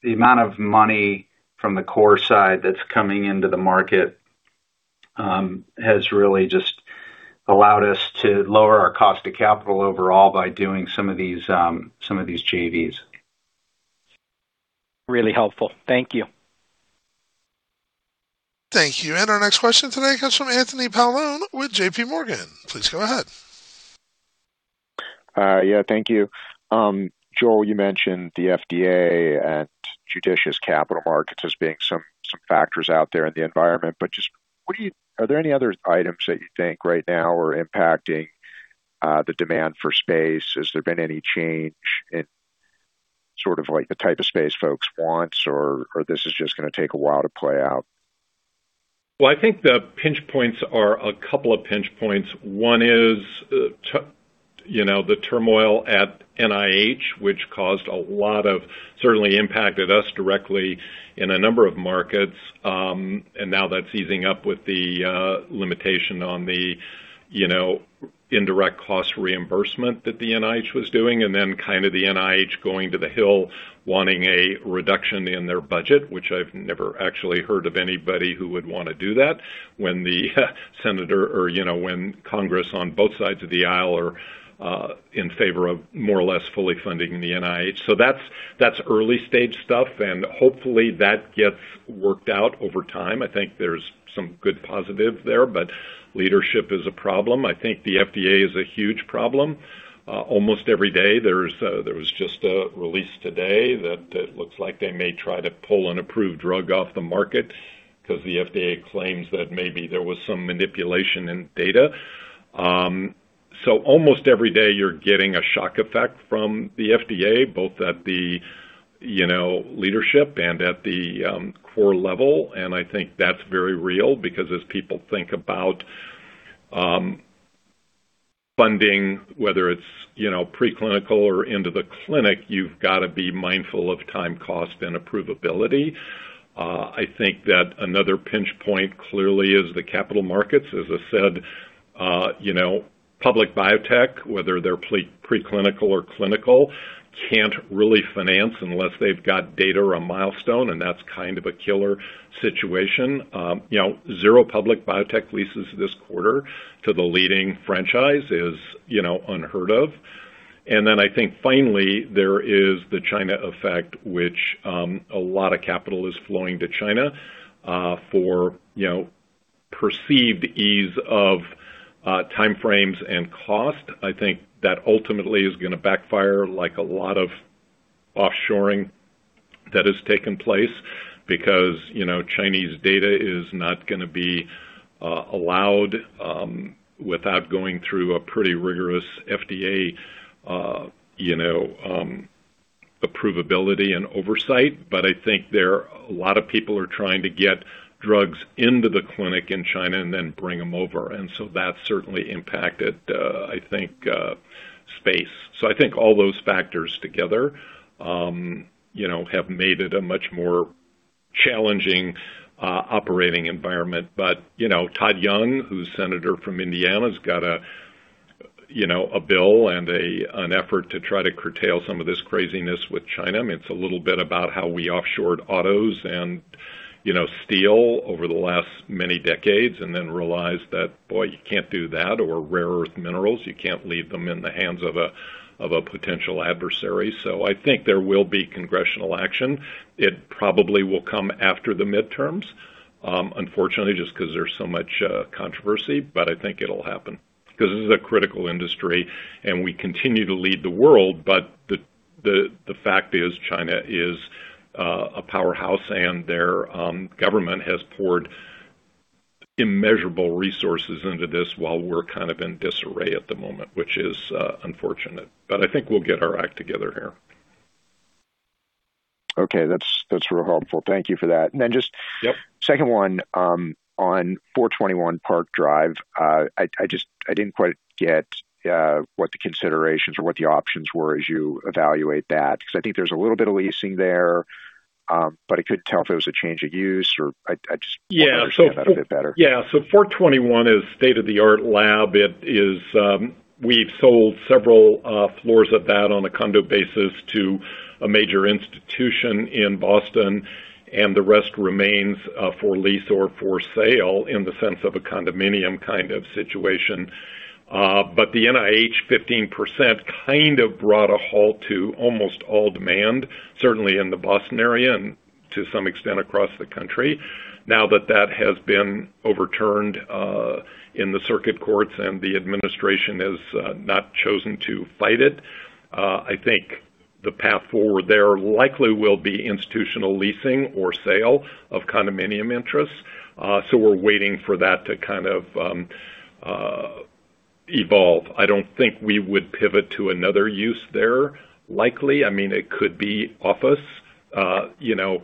the amount of money from the core side that's coming into the market, has really just allowed us to lower our cost of capital overall by doing some of these, some of these JVs.
Really helpful. Thank you.
Thank you. Our next question today comes from Anthony Paolone with JPMorgan. Please go ahead.
Yeah, thank you. Joel, you mentioned the FDA and judicious capital markets as being some factors out there in the environment. Just are there any other items that you think right now are impacting the demand for space? Has there been any change in sort of like the type of space folks want or this is just gonna take a while to play out?
I think the pinch points are a couple of pinch points. One is, you know, the turmoil at NIH, which certainly impacted us directly in a number of markets. Now that's easing up with the limitation on the, you know, indirect cost reimbursement that the NIH was doing, and then kind of the NIH going to the Hill wanting a reduction in their budget, which I've never actually heard of anybody who would wanna do that when the senator or, you know, when Congress on both sides of the aisle are in favor of more or less fully funding the NIH. That's, that's early-stage stuff, and hopefully that gets worked out over time. I think there's some good positive there, but leadership is a problem. I think the FDA is a huge problem. There was just a release today that looks like they may try to pull an approved drug off the market. Because the FDA claims that maybe there was some manipulation in data. Almost every day you're getting a shock effect from the FDA, both at the, you know, leadership and at the core level. I think that's very real because as people think about funding, whether it's, you know, preclinical or into the clinic, you've got to be mindful of time, cost, and approvability. I think that another pinch point clearly is the capital markets. As I said, you know, public biotech, whether they're preclinical or clinical, can't really finance unless they've got data or a milestone, and that's kind of a killer situation. You know, zero public biotech leases this quarter to the leading franchise is, you know, unheard of. There is the China effect, which a lot of capital is flowing to China for, you know, perceived ease of time frames and cost. I think that ultimately is gonna backfire like a lot of offshoring that has taken place because, you know, Chinese data is not gonna be allowed without going through a pretty rigorous FDA, you know, approvability and oversight. There are a lot of people trying to get drugs into the clinic in China and then bring them over. That's certainly impacted, I think, space. All those factors together, you know, have made it a much more challenging operating environment. You know, Todd Young, who's senator from Indiana, has got a, you know, a bill and an effort to try to curtail some of this craziness with China. I mean, it's a little bit about how we offshored autos and, you know, steel over the last many decades and then realized that, boy, you can't do that, or rare earth minerals, you can't leave them in the hands of a potential adversary. I think there will be congressional action. It probably will come after the midterms, unfortunately, just 'cause there's so much controversy, but I think it'll happen. 'Cause this is a critical industry, and we continue to lead the world. The fact is, China is a powerhouse, and their government has poured immeasurable resources into this while we're kind of in disarray at the moment, which is unfortunate. I think we'll get our act together here.
Okay. That's real helpful. Thank you for that.
Yep.
Second one, on 421 Park Drive. I didn't quite get what the considerations or what the options were as you evaluate that, because I think there's a little bit of leasing there, but I couldn't tell if it was a change of use or.
Yeah.
Want to understand that a bit better.
421 is state-of-the-art lab. It is. We've sold several floors of that on a condo basis to a major institution in Boston, and the rest remains for lease or for sale in the sense of a condominium kind of situation. The NIH 15% kind of brought a halt to almost all demand, certainly in the Boston area and to some extent across the country. Now that that has been overturned in the circuit courts and the administration has not chosen to fight it, I think the path forward there likely will be institutional leasing or sale of condominium interests. We're waiting for that to kind of evolve. I don't think we would pivot to another use there, likely. I mean, it could be office, you know,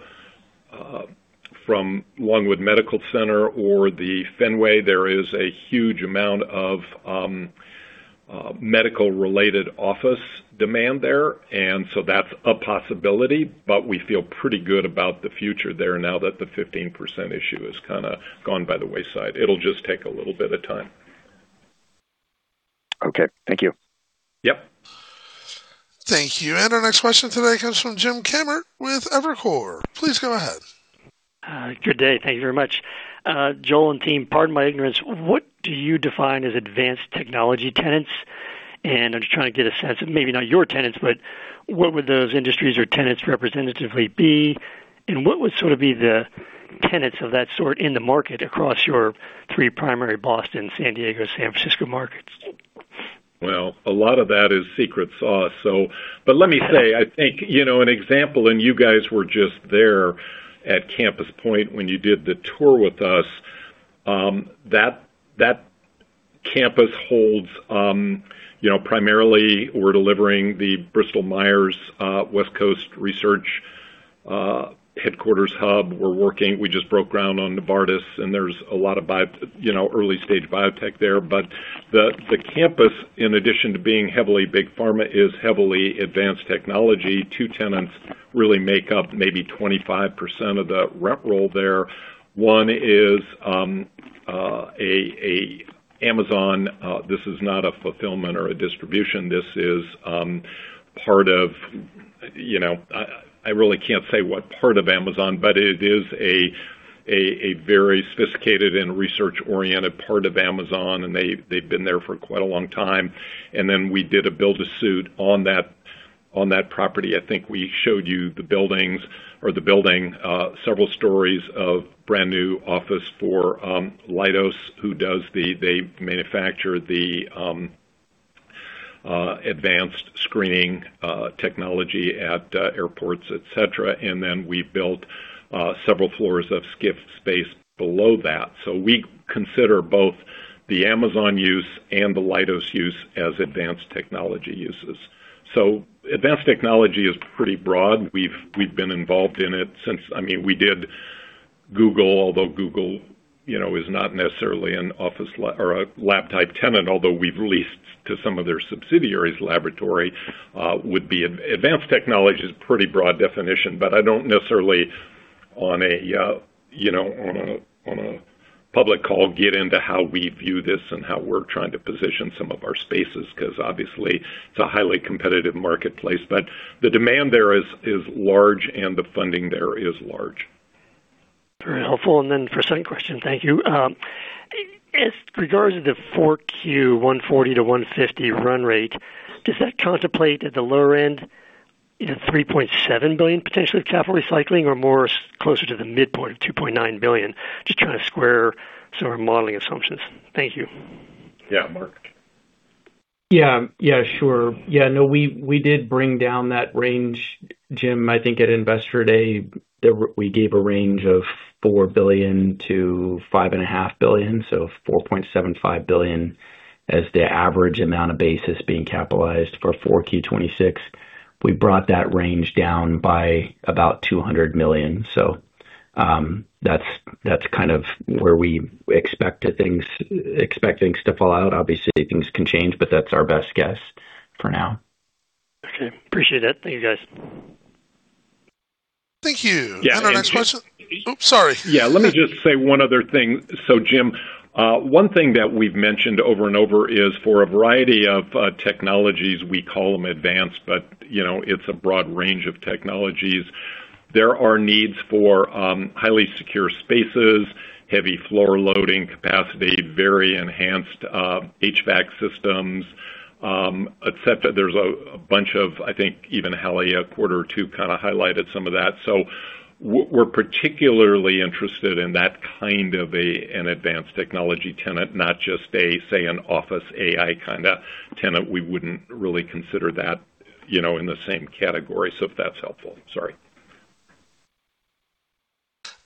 from Longwood Medical Center or the Fenway. There is a huge amount of medical-related office demand there, and so that's a possibility. We feel pretty good about the future there now that the 15% issue has kinda gone by the wayside. It'll just take a little bit of time.
Okay. Thank you.
Yep.
Thank you. Our next question today comes from James Kammert with Evercore. Please go ahead.
Good day. Thank you very much. Joel and team, pardon my ignorance, what do you define as advanced technology tenants? I'm just trying to get a sense of maybe not your tenants, but what would those industries or tenants representatively be, and what would sort of be the tenants of that sort in the market across your three primary Boston, San Diego, San Francisco markets?
Well, a lot of that is secret sauce. Let me say, I think, you know, an example, you guys were just there at Campus Point when you did the tour with us, that campus holds, you know, primarily we're delivering the Bristol Myers West Coast research headquarters hub. We just broke ground on Novartis, there's a lot of you know, early-stage biotech there. The campus, in addition to being heavily big pharma, is heavily advanced technology. Two tenants really make up maybe 25% of the rent roll there. One is a Amazon. This is not a fulfillment or a distribution. This is, you know, I really can't say what part of Amazon, but it is a very sophisticated and research-oriented part of Amazon, they've been there for quite a long time. Then we did a build a suit on that property. I think we showed you the buildings or the building, several stories of brand-new office for Leidos, who they manufacture the advanced screening technology at airports, et cetera. Then we built several floors of SCIF space below that. We consider both the Amazon use and the Leidos use as advanced technology uses. Advanced technology is pretty broad. We've been involved in it since... I mean, we did Google, although Google, you know, is not necessarily an office or a lab type tenant, although we've leased to some of their subsidiaries laboratory. Advanced technology is pretty broad definition, but I don't necessarily on a, you know, on a public call get into how we view this and how we're trying to position some of our spaces, 'cause obviously it's a highly competitive marketplace. The demand there is large and the funding there is large.
Very helpful. Then for a second question. Thank you. As regards to the 4Q $140-$150 run rate, does that contemplate at the lower end, you know, $3.7 billion potentially capital recycling or more closer to the midpoint of $2.9 billion? Just trying to square some of our modeling assumptions. Thank you.
Yeah. Marc.
Yeah. Yeah. Sure. Yeah, no, we did bring down that range, Jim. I think at Investor Day we gave a range of $4 billion-$5.5 billion, so $4.75 billion as the average amount of basis being capitalized for 4Q 2026. We brought that range down by about $200 million. That's kind of where we expect things to fall out. Obviously, things can change, but that's our best guess for now.
Okay. Appreciate it. Thank you, guys.
Thank you. Is that our next question? Oops, sorry.
Yeah. Let me just say one other thing. James, one thing that we've mentioned over and over is for a variety of technologies, we call them advanced, but you know, it's a broad range of technologies. There are needs for highly secure spaces, heavy floor loading capacity, very enhanced HVAC systems, et cetera. There's a bunch of, I think even Hallie Kuhn a quarter or two kind of highlighted some of that. We're particularly interested in that kind of a, an advanced technology tenant, not just a, say, an office AI kind of tenant. We wouldn't really consider that, you know, in the same category. If that's helpful. Sorry.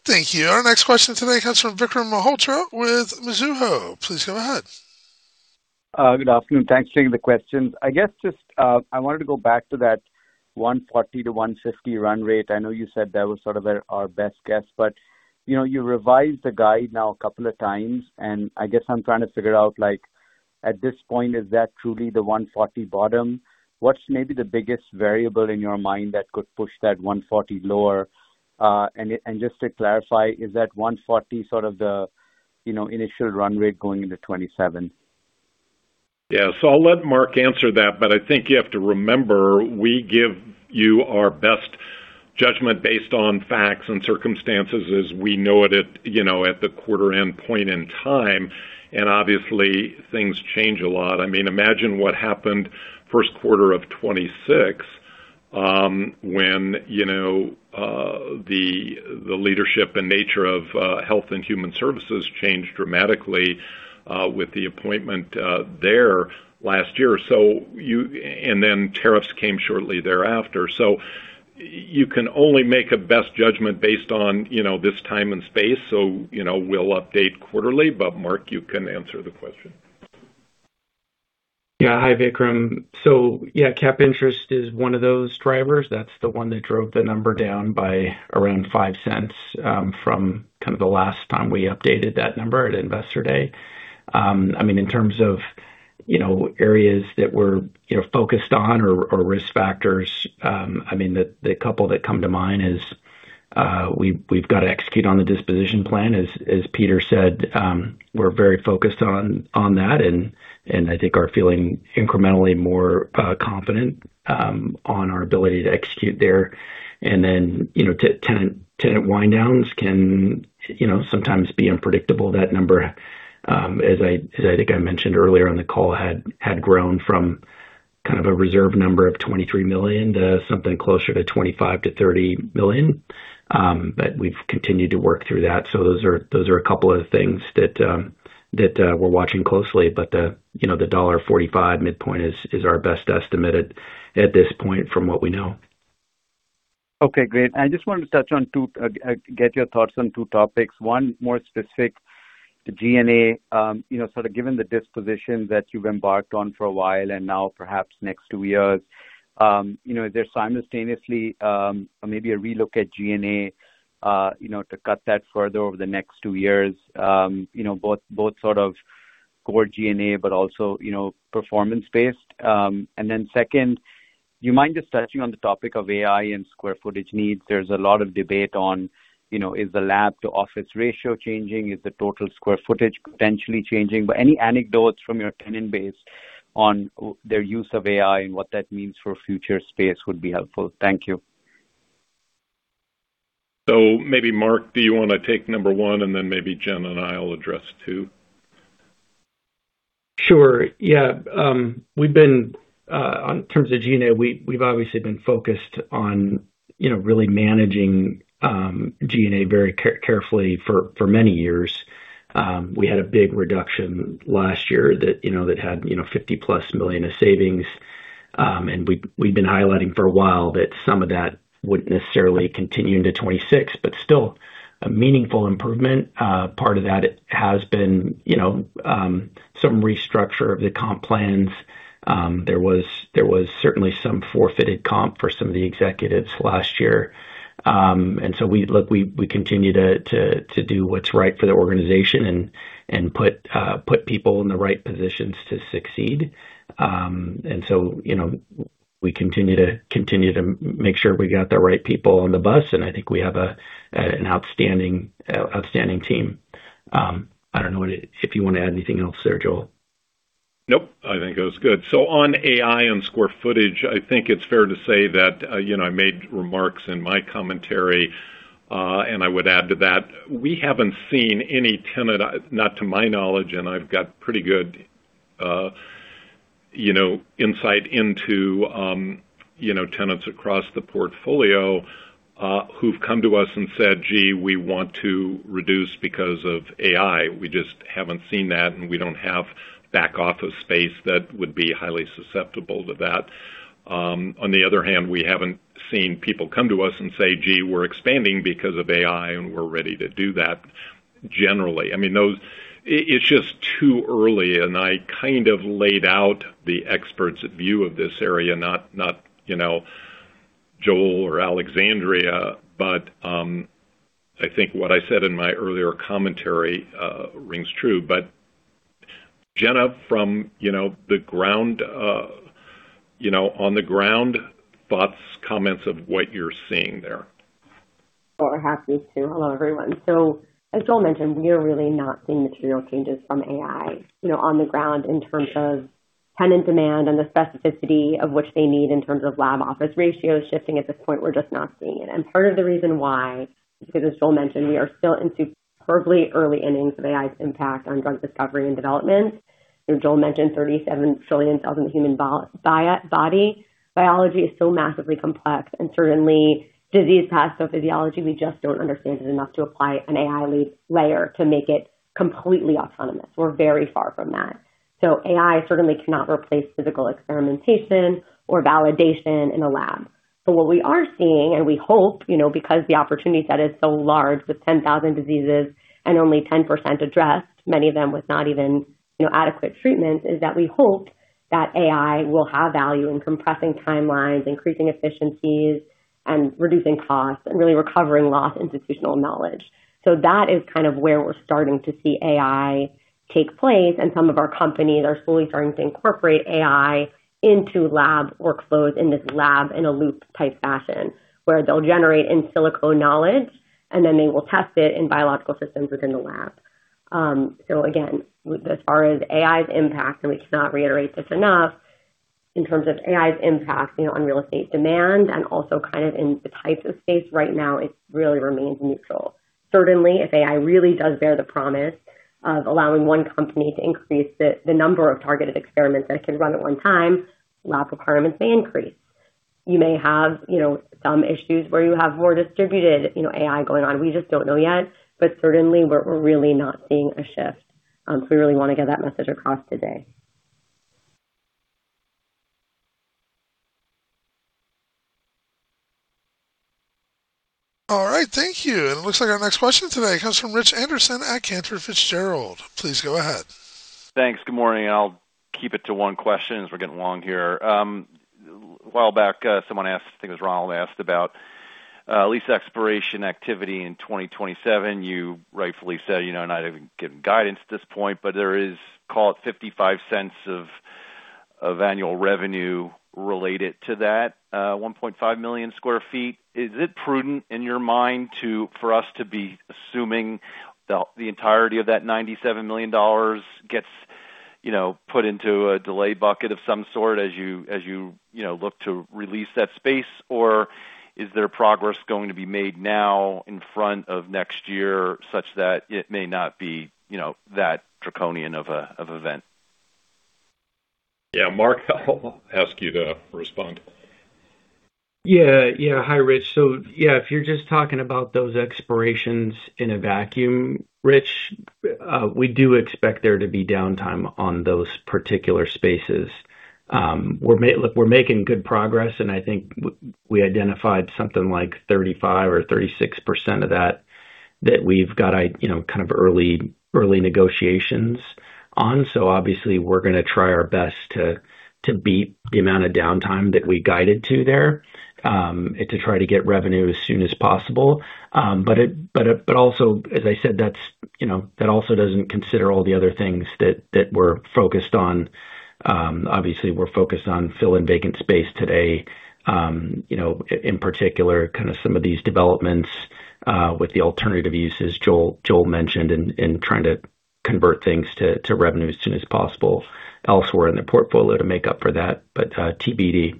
Thank you. Our next question today comes from Vikram Malhotra with Mizuho. Please go ahead.
Good afternoon. Thanks for taking the questions. I guess just, I wanted to go back to that $140-$150 run rate. I know you said that was sort of our best guess, but, you know, you revised the guide now a couple of times. I guess I'm trying to figure out, like, at this point, is that truly the $140 bottom? What's maybe the biggest variable in your mind that could push that $140 lower? Just to clarify, is that $140 sort of the, you know, initial run rate going into 2027?
Yeah. I'll let Marc answer that, but I think you have to remember, we give you our best judgment based on facts and circumstances as we know it at, you know, at the quarter end point in time. Obviously, things change a lot. I mean, imagine what happened first quarter of 2026, when, you know, the leadership and nature of Health and Human Services changed dramatically, with the appointment there last year. And then tariffs came shortly thereafter. You can only make a best judgment based on, you know, this time and space. You know, we'll update quarterly, but Marc, you can answer the question.
Hi, Vikram. Cap interest is one of those drivers. That's the one that drove the number down by around $0.05, from kind of the last time we updated that number at Investor Day. I mean, in terms of, you know, areas that we're, you know, focused on or risk factors, I mean, the couple that come to mind is, we've got to execute on the disposition plan. As Peter said, we're very focused on that and I think are feeling incrementally more confident on our ability to execute there. Then, you know, tenant wind downs can, you know, sometimes be unpredictable. That number, as I think I mentioned earlier on the call, had grown from kind of a reserve number of $23 million to something closer to $25 million-$30 million. We've continued to work through that. Those are a couple of things that we're watching closely. The, you know, the $1.45 midpoint is our best estimate at this point from what we know.
Okay, great. I just wanted to get your thoughts on two topics. One more specific to G&A. You know, sort of given the disposition that you've embarked on for a while and now perhaps next two years, you know, is there simultaneously, maybe a relook at G&A, you know, to cut that further over the next two years? You know, both sort of core G&A but also, you know, performance based. Second, do you mind just touching on the topic of AI and square footage needs? There's a lot of debate on, you know, is the lab-to-office ratio changing? Is the total square footage potentially changing? Any anecdotes from your tenant base on their use of AI and what that means for future space would be helpful. Thank you.
Maybe Marc, do you want to take number one, and then maybe Jenna and I will address two?
Sure, yeah. We've been in terms of G&A, we've obviously been focused on, you know, really managing G&A very carefully for many years. We had a big reduction last year that, you know, that had, you know, $50 million+ of savings. We've been highlighting for a while that some of that wouldn't necessarily continue into 2026, but still a meaningful improvement. Part of that has been, you know, some restructure of the comp plans. There was certainly some forfeited comp for some of the executives last year. Look, we continue to do what's right for the organization and put people in the right positions to succeed. You know, we continue to make sure we got the right people on the bus, and I think we have an outstanding team. I don't know if you wanna add anything else there, Joel.
Nope, I think it was good. On AI and square footage, I think it's fair to say that I made remarks in my commentary, and I would add to that. We haven't seen any tenant, not to my knowledge, and I've got pretty good insight into tenants across the portfolio, who've come to us and said, "Gee, we want to reduce because of AI." We just haven't seen that, and we don't have back office space that would be highly susceptible to that. On the other hand, we haven't seen people come to us and say, "Gee, we're expanding because of AI, and we're ready to do that," generally. I mean, it's just too early, and I kind of laid out the expert's view of this area, not Joel or Alexandria. I think what I said in my earlier commentary rings true. Jenna, from, you know, the ground, you know, on the ground thoughts, comments of what you're seeing there.
I'm happy to. Hello, everyone. As Joel mentioned, we are really not seeing material changes from AI, you know, on the ground in terms of tenant demand and the specificity of which they need in terms of lab office ratios shifting. At this point, we're just not seeing it. Part of the reason why, because as Joel mentioned, we are still into superbly early innings of AI's impact on drug discovery and development. You know, Joel mentioned 37 trillion cells in the human body. Biology is so massively complex, and certainly disease pathophysiology, we just don't understand it enough to apply an AI layer to make it completely autonomous. We're very far from that. AI certainly cannot replace physical experimentation or validation in a lab. What we are seeing, and we hope, you know, because the opportunity set is so large with 10,000 diseases and only 10% addressed, many of them with not even, you know, adequate treatment, is that we hope that AI will have value in compressing timelines, increasing efficiencies, and reducing costs and really recovering lost institutional knowledge. That is kind of where we're starting to see AI take place, and some of our companies are slowly starting to incorporate AI into lab workflows in this lab-in-a-loop type fashion, where they'll generate in silico knowledge, and then they will test it in biological systems within the lab. Again, as far as AI's impact, and we cannot reiterate this enough, in terms of AI's impact, you know, on real estate demand and also kind of in the types of space right now, it really remains neutral. Certainly, if AI really does bear the promise of allowing one company to increase the number of targeted experiments that it can run at one time, lab requirements may increase. You may have, you know, some issues where you have more distributed, you know, AI going on. We just don't know yet. Certainly, we're really not seeing a shift. We really wanna get that message across today.
All right. Thank you. It looks like our next question today comes from Richard Anderson at Cantor Fitzgerald. Please go ahead.
Thanks. Good morning. I'll keep it to one question as we're getting along here. A while back, someone asked, I think it was Ronald, asked about lease expiration activity in 2027. You rightfully said, you know, not even giving guidance at this point, but there is, call it $0.55 of annual revenue related to that 1.5 million sq ft. Is it prudent in your mind for us to be assuming the entirety of that $97 million gets, you know, put into a delay bucket of some sort as you know, look to release that space? Is there progress going to be made now in front of next year such that it may not be, you know, that draconian of a, of event?
Yeah. Marc, I'll ask you to respond.
Yeah. Yeah. Hi, Rich. Yeah, if you're just talking about those expirations in a vacuum, Rich, we do expect there to be downtime on those particular spaces. look, we're making good progress, I think we identified something like 35% or 36% of that we've got you know, kind of early negotiations on. Obviously, we're gonna try our best to beat the amount of downtime that we guided to there, to try to get revenue as soon as possible. but also, as I said, that's, you know, that also doesn't consider all the other things that we're focused on. Obviously, we're focused on filling vacant space today, you know, in particular, kinda some of these developments, with the alternative uses Joel mentioned and trying to convert things to revenue as soon as possible elsewhere in the portfolio to make up for that. But, TBD.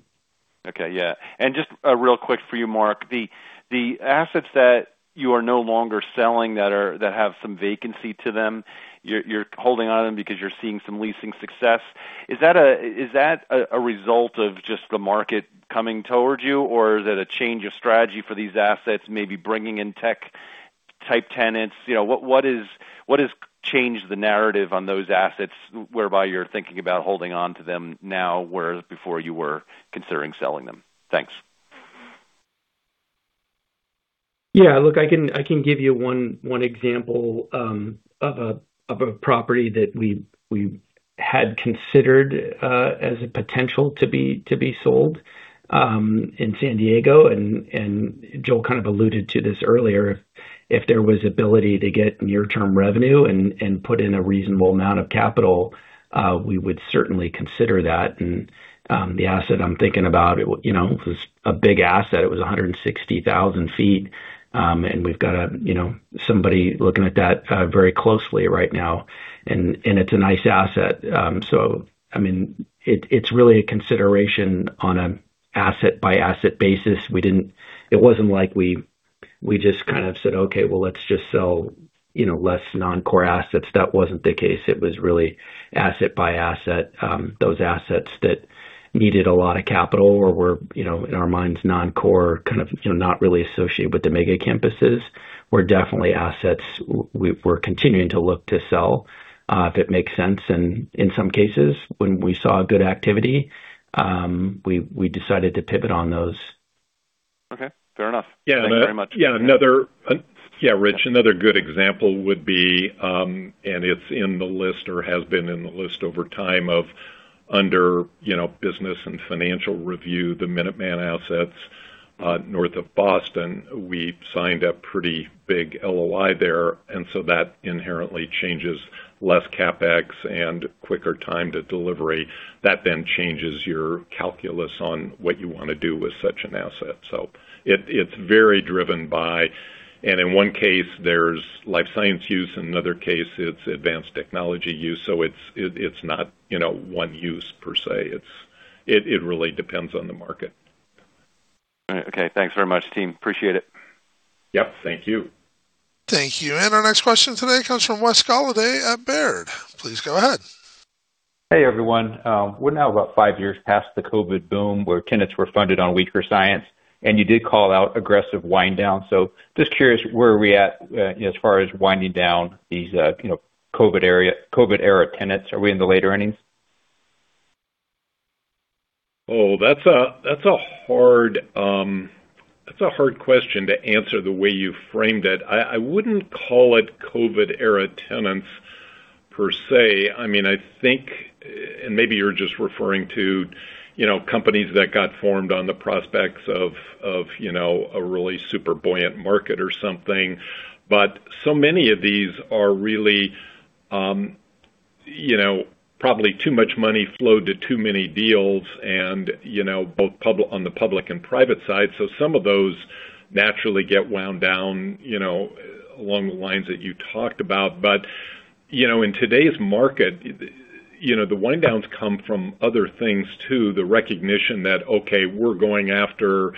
Okay. Yeah. Just, real quick for you, Marc. The assets that you are no longer selling that have some vacancy to them, you're holding onto them because you're seeing some leasing success. Is that a result of just the market coming towards you, or is it a change of strategy for these assets, maybe bringing in tech-type tenants, you know, what has changed the narrative on those assets whereby you're thinking about holding on to them now, whereas before you were considering selling them? Thanks.
Yeah. Look, I can give you one example of a property that we had considered as a potential to be sold in San Diego. Joel kind of alluded to this earlier. If there was ability to get near-term revenue and put in a reasonable amount of capital, we would certainly consider that. The asset I'm thinking about it, you know, it was a big asset. It was 160,000 sq ft. We've got a, you know, somebody looking at that very closely right now, and it's a nice asset. I mean, it's really a consideration on an asset-by-asset basis. It wasn't like we just kind of said, "Okay, well, let's just sell, you know, less non-core assets." That wasn't the case. It was really asset by asset. Those assets that needed a lot of capital or were, you know, in our minds, non-core kind of, you know, not really associated with the Megacampuses, were definitely assets we're continuing to look to sell if it makes sense. In some cases, when we saw good activity, we decided to pivot on those.
Okay. Fair enough.
Yeah.
Thank you very much.
Yeah, Rich, another good example would be, and it's in the list or has been in the list over time of under, you know, business and financial review, the Minuteman assets north of Boston. We signed a pretty big LOI there, that inherently changes less CapEx and quicker time to delivery. That changes your calculus on what you wanna do with such an asset. It's very driven by. In one case, there's life science use, in another case, it's advanced technology use, it's not, you know, one use per se. It really depends on the market.
All right. Okay. Thanks very much, team. Appreciate it.
Yep. Thank you.
Thank you. Our next question today comes from Wes Golladay at Baird. Please go ahead.
Hey, everyone. We're now about five years past the COVID boom, where tenants were funded on weaker science, and you did call out aggressive wind down. Just curious, where are we at, you know, as far as winding down these, you know, COVID era tenants? Are we in the later innings?
Oh, that's a, that's a hard, that's a hard question to answer the way you framed it. I wouldn't call it COVID era tenants per se. I mean, I think, and maybe you're just referring to, you know, companies that got formed on the prospects of, you know, a really super buoyant market or something. So many of these are really, you know, probably too much money flowed to too many deals and, you know, both on the public and private side. Some of those naturally get wound down, you know, along the lines that you talked about. In today's market, you know, the wind downs come from other things too. The recognition that, okay, we're going after,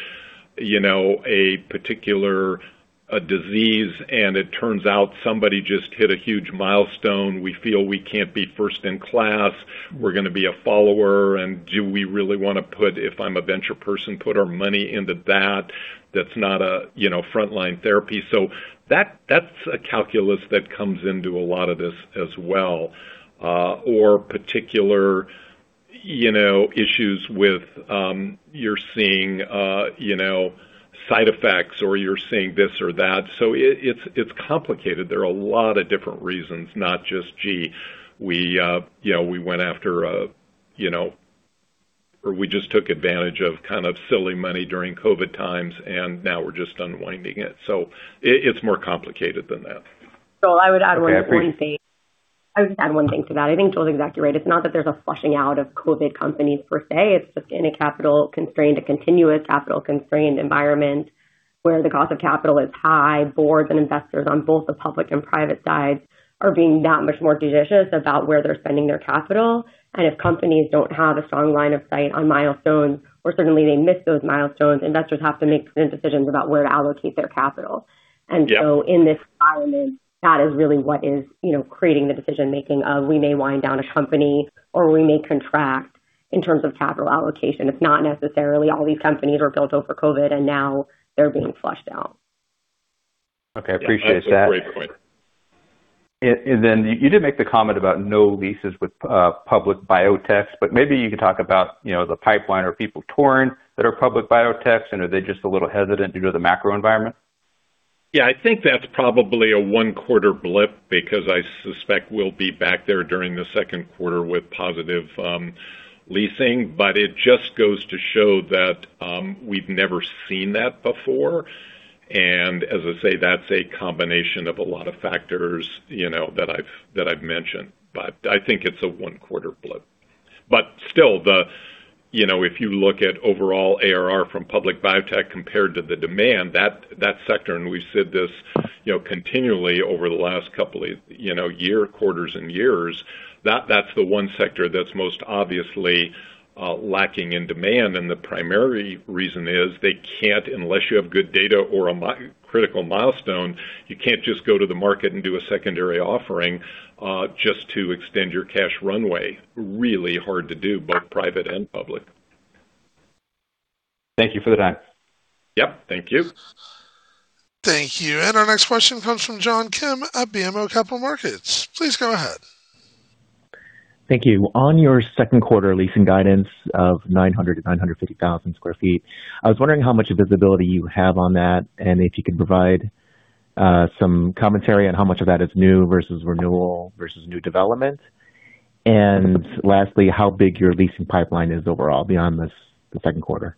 you know, a particular disease, and it turns out somebody just hit a huge milestone. We feel we can't be first in class. We're gonna be a follower. Do we really wanna put, if I'm a venture person, put our money into that? That's not a, you know, frontline therapy. That's a calculus that comes into a lot of this as well. Particular, you know, issues with, you're seeing, you know, side effects or you're seeing this or that. It's complicated. There are a lot of different reasons, not just, gee, we, you know, we went after a, or we just took advantage of kind of silly money during COVID times, and now we're just unwinding it. It's more complicated than that.
I would add one point, Wes.
Okay.
I would add one thing to that. I think Joel's exactly right. It's not that there's a flushing out of COVID companies per se. It's just in a capital constrained, a continuous capital constrained environment where the cost of capital is high, Boards and investors on both the public and private sides are being that much more judicious about where they're spending their capital. If companies don't have a strong line of sight on milestones or certainly they miss those milestones, investors have to make certain decisions about where to allocate their capital.
Yeah.
In this environment, that is really what is, you know, creating the decision-making of we may wind down a company or we may contract in terms of capital allocation. It's not necessarily all these companies were built over COVID and now they're being flushed out.
Okay. Appreciate that.
That's a great point.
You did make the comment about no leases with public biotechs, but maybe you could talk about, you know, the pipeline. Are people torn that are public biotechs, and are they just a little hesitant due to the macro environment?
Yeah. I think that's probably a one quarter blip because I suspect we'll be back there during the second quarter with positive leasing. It just goes to show that we've never seen that before. As I say, that's a combination of a lot of factors, you know, that I've mentioned. I think it's a one quarter blip. Still, you know, if you look at overall ARR from public biotech compared to the demand, that sector, and we've said this, you know, continually over the last couple, you know, year, quarters and years, that's the one sector that's most obviously lacking in demand. The primary reason is they can't, unless you have good data or a critical milestone, you can't just go to the market and do a secondary offering just to extend your cash runway. Really hard to do, both private and public.
Thank you for the time.
Yep. Thank you.
Thank you. Our next question comes from John Kim at BMO Capital Markets. Please go ahead.
Thank you. On your second quarter leasing guidance of 900,000 sq ft-950,000 sq ft, I was wondering how much visibility you have on that and if you can provide some commentary on how much of that is new versus renewal versus new development. Lastly, how big your leasing pipeline is overall beyond the second quarter.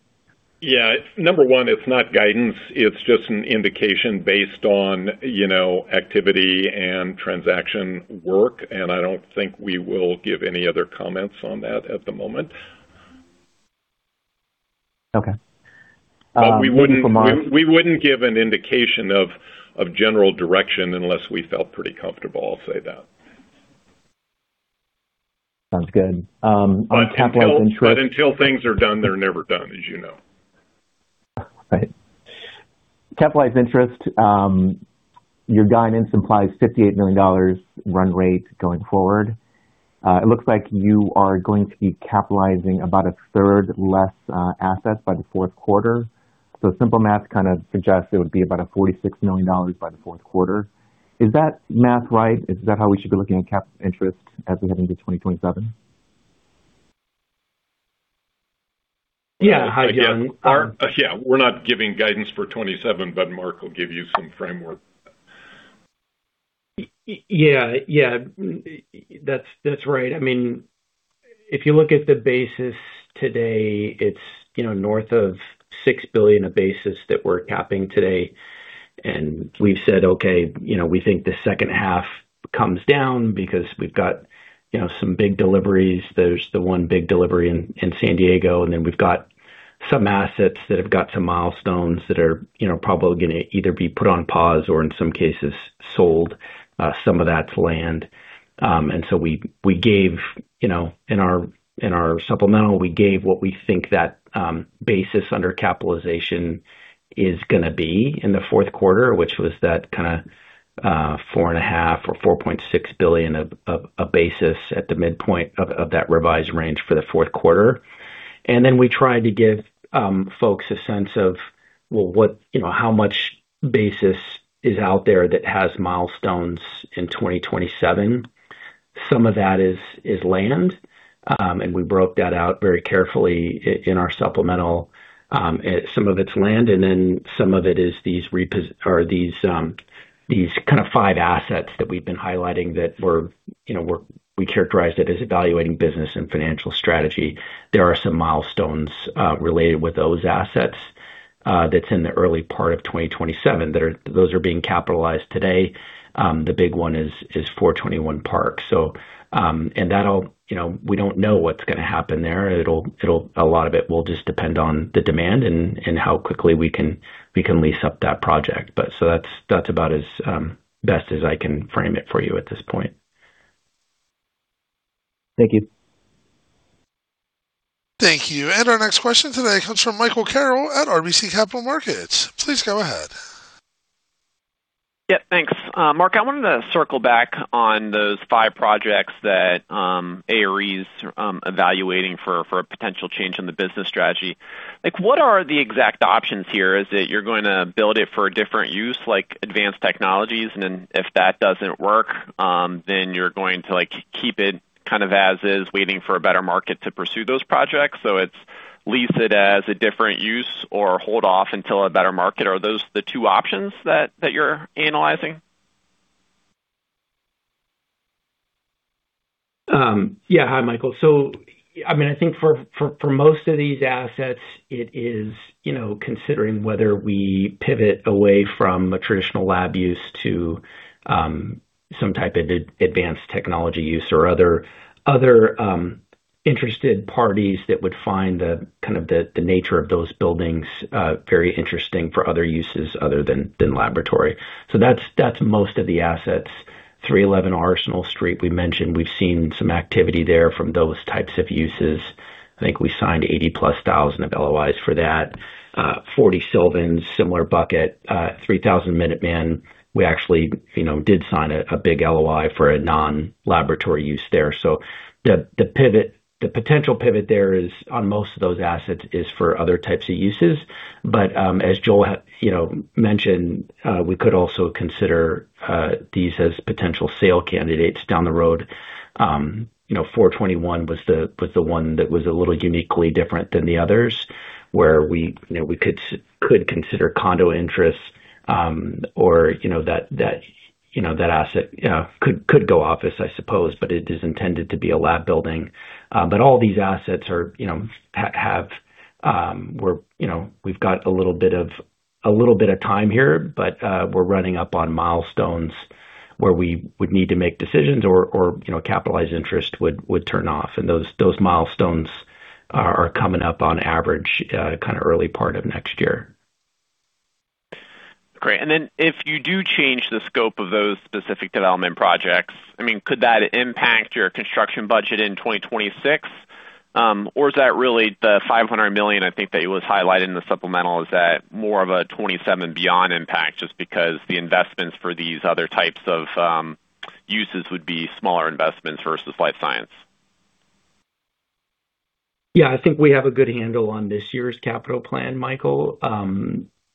Yeah. Number one, it's not guidance, it's just an indication based on, you know, activity and transaction work, and I don't think we will give any other comments on that at the moment.
Okay.
We wouldn't give an indication of general direction unless we felt pretty comfortable, I'll say that.
Sounds good. on capitalized interest-
Until things are done, they're never done, as you know.
Right. Capitalized interest, your guidance implies $58 million run rate going forward. It looks like you are going to be capitalizing about 1/3 less, assets by the fourth quarter. Simple math kind of suggests it would be about $46 million by the fourth quarter. Is that math right? Is that how we should be looking at cap interest as we head into 2027?
Yeah. Again. Yeah, we're not giving guidance for 2027, but Marc will give you some framework.
Yeah. Yeah. That's right. I mean, if you look at the basis today, it's, you know, north of $6 billion a basis that we're capping today. We've said, okay, you know, we think the second half comes down because we've got, you know, some big deliveries. There's the one big delivery in San Diego, and then we've got some assets that have got some milestones that are, you know, probably gonna either be put on pause or in some cases sold, some of that land. So we gave, you know, in our supplemental, we gave what we think that basis under capitalization is gonna be in the fourth quarter, which was that kinda $4.5 billion Or $4.6 billion of a basis at the midpoint of that revised range for the fourth quarter. We tried to give folks a sense of, well, what, you know, how much basis is out there that has milestones in 2027. Some of that is land, and we broke that out very carefully in our supplemental. Some of it's land and then some of it is these 5 assets that we've been highlighting that, you know, we characterized it as evaluating business and financial strategy. There are some milestones related with those assets that's in the early part of 2027 that those are being capitalized today. The big one is 421 Park. That'll, you know, we don't know what's gonna happen there. A lot of it will just depend on the demand and how quickly we can lease up that project. That's about as best as I can frame it for you at this point.
Thank you.
Thank you. Our next question today comes from Michael Carroll at RBC Capital Markets. Please go ahead.
Thanks. Marc, I wanted to circle back on those five projects that ARE is evaluating for a potential change in the business strategy. Like, what are the exact options here? Is it you're going to build it for a different use, like advanced technologies, and then if that doesn't work, then you're going to, like, keep it kind of as is, waiting for a better market to pursue those projects? It's lease it as a different use or hold off until a better market. Are those the two options that you're analyzing?
Yeah. Hi, Michael. I mean, I think for most of these assets, it is, you know, considering whether we pivot away from a traditional lab use to some type of advanced technology use or other interested parties that would find the kind of the nature of those buildings very interesting for other uses other than laboratory. That's most of the assets. 311 Arsenal Street, we mentioned we've seen some activity there from those types of uses. I think we signed 80,000+ of LOIs for that. 40 Sylvan, similar bucket. 3000 Minuteman, we actually, you know, did sign a big LOI for a non-laboratory use there. The potential pivot there is on most of those assets is for other types of uses. As Joel, you know, mentioned, we could also consider these as potential sale candidates down the road. You know, 421 was the one that was a little uniquely different than the others, where we, you know, we could consider condo interests, or, you know, that asset could go office, I suppose, but it is intended to be a lab building. All these assets are, you know, have, we've got a little bit of time here, but we're running up on milestones where we would need to make decisions or, you know, capitalized interest would turn off. Those milestones are coming up on average, kinda early part of next year.
Great. If you do change the scope of those specific development projects, I mean, could that impact your construction budget in 2026? Is that really the $500 million, I think that it was highlighted in the supplemental, is that more of a 2027 beyond impact just because the investments for these other types of uses would be smaller investments versus life science?
Yeah, I think we have a good handle on this year's capital plan, Michael.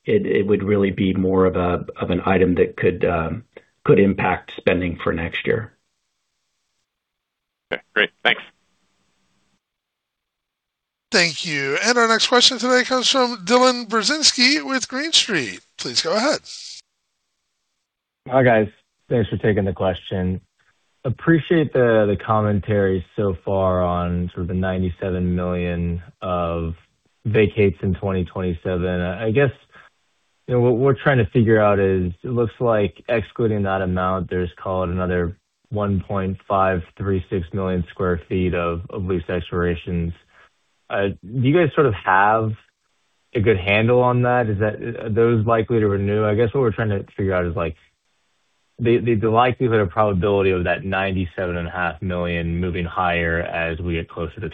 It would really be more of an item that could impact spending for next year.
Okay, great. Thanks.
Thank you. Our next question today comes from Dylan Burzinski with Green Street. Please go ahead.
Hi, guys. Thanks for taking the question. Appreciate the commentary so far on sort of the $97 million of vacates in 2027. I guess, you know, what we're trying to figure out is it looks like excluding that amount, there's, call it another 1.536 million sq ft of lease expirations. Do you guys sort of have a good handle on that? Are those likely to renew? I guess what we're trying to figure out is like the likelihood or probability of that $97.5 million moving higher as we get closer to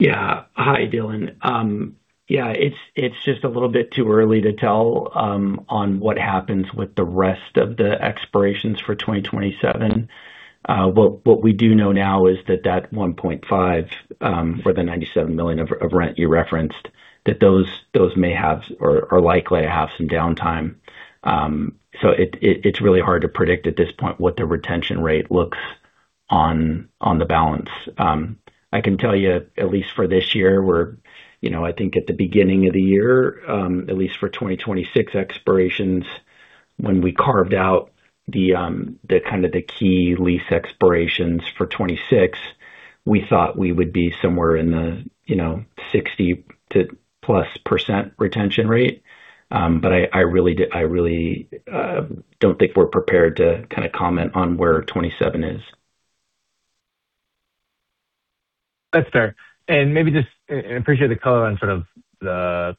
2027.
Hi, Dylan. It's just a little bit too early to tell on what happens with the rest of the expirations for 2027. What we do know now is that that 1.536 million sq ft for the $97 million of rent you referenced, that those may have or are likely to have some downtime. It's really hard to predict at this point what the retention rate looks on the balance. I can tell you at least for this year, we're, you know, I think at the beginning of the year, at least for 2026 expirations, when we carved out the kind of the key lease expirations for 2026, we thought we would be somewhere in the, you know, 60%+ retention rate. I really don't think we're prepared to kind of comment on where 2027 is.
That's fair. Maybe just appreciate the color on sort of the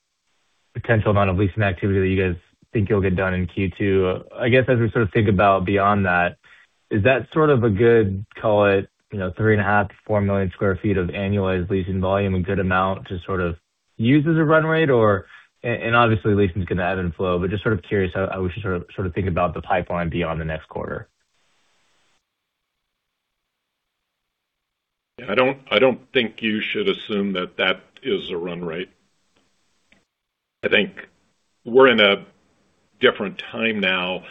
potential amount of leasing activity that you guys think you'll get done in Q2. I guess as we sort of think about beyond that, is that sort of a good, call it, you know, 3.5 million sq ft-4 million sq ft of annualized leasing volume, a good amount to sort of use as a run rate or? Obviously leasing's gonna ebb and flow, but just sort of curious how we should sort of think about the pipeline beyond the next quarter.
Yeah. I don't think you should assume that that is a run rate. I think we're in a different time now,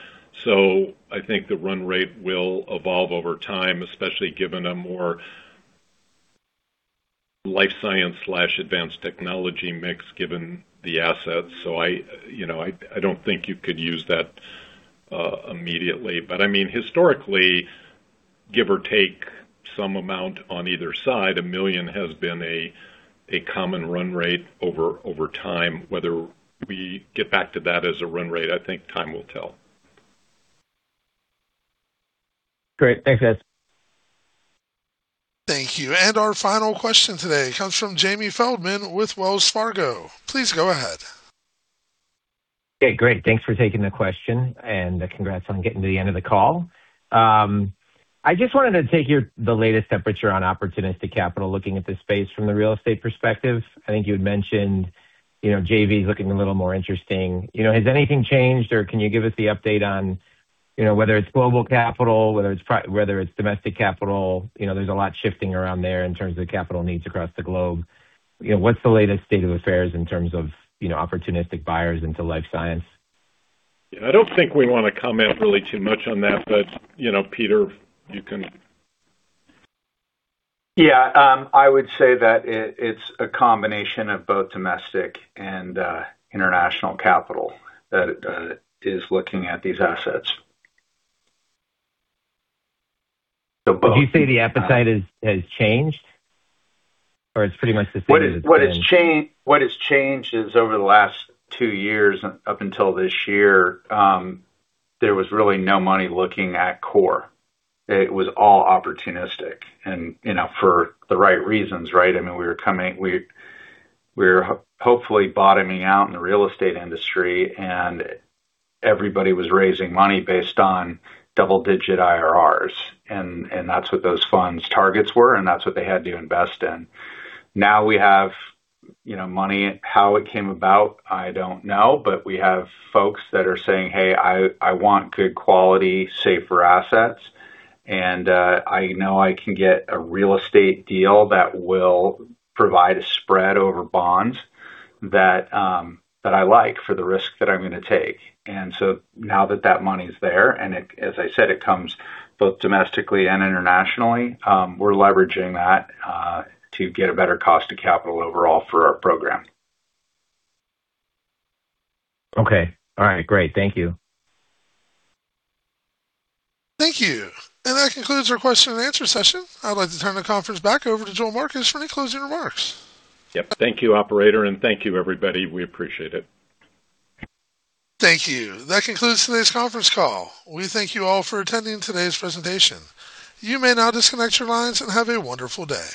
I think the run rate will evolve over time, especially given a more life science/advanced technology mix, given the assets. I, you know, I don't think you could use that immediately. I mean, historically, give or take some amount on either side, $1 million has been a common run rate over time. Whether we get back to that as a run rate, I think time will tell.
Great. Thanks, guys.
Thank you. Our final question today comes from Jamie Feldman with Wells Fargo. Please go ahead.
Okay, great. Thanks for taking the question and congrats on getting to the end of the call. I just wanted to take the latest temperature on opportunistic capital looking at the space from the real estate perspective. I think you had mentioned, you know, JV is looking a little more interesting. You know, has anything changed or can you give us the update on, you know, whether it's global capital, whether it's domestic capital, you know, there's a lot shifting around there in terms of capital needs across the globe. You know, what's the latest state of affairs in terms of, you know, opportunistic buyers into life science?
Yeah. I don't think we wanna comment really too much on that, but, you know, Peter, you can.
Yeah. I would say that it's a combination of both domestic and international capital that is looking at these assets.
Would you say the appetite has changed or it's pretty much the same as it's been?
What has changed is over the last two years up until this year, there was really no money looking at core. It was all opportunistic and, you know, for the right reasons, right? I mean, we're hopefully bottoming out in the real estate industry, and everybody was raising money based on double-digit IRRs. That's what those funds' targets were, and that's what they had to invest in. Now we have, you know, money. How it came about, I don't know, but we have folks that are saying, "Hey, I want good quality, safer assets. I know I can get a real estate deal that will provide a spread over bonds that I like for the risk that I'm gonna take. Now that that money's there, as I said, it comes both domestically and internationally, we're leveraging that, to get a better cost to capital overall for our program.
Okay. All right, great. Thank you.
Thank you. That concludes our question-and-answer session. I'd like to turn the conference back over to Joel Marcus for any closing remarks.
Yep. Thank you, operator, and thank you, everybody. We appreciate it.
Thank you. That concludes today's conference call. We thank you all for attending today's presentation. You may now disconnect your lines and have a wonderful day.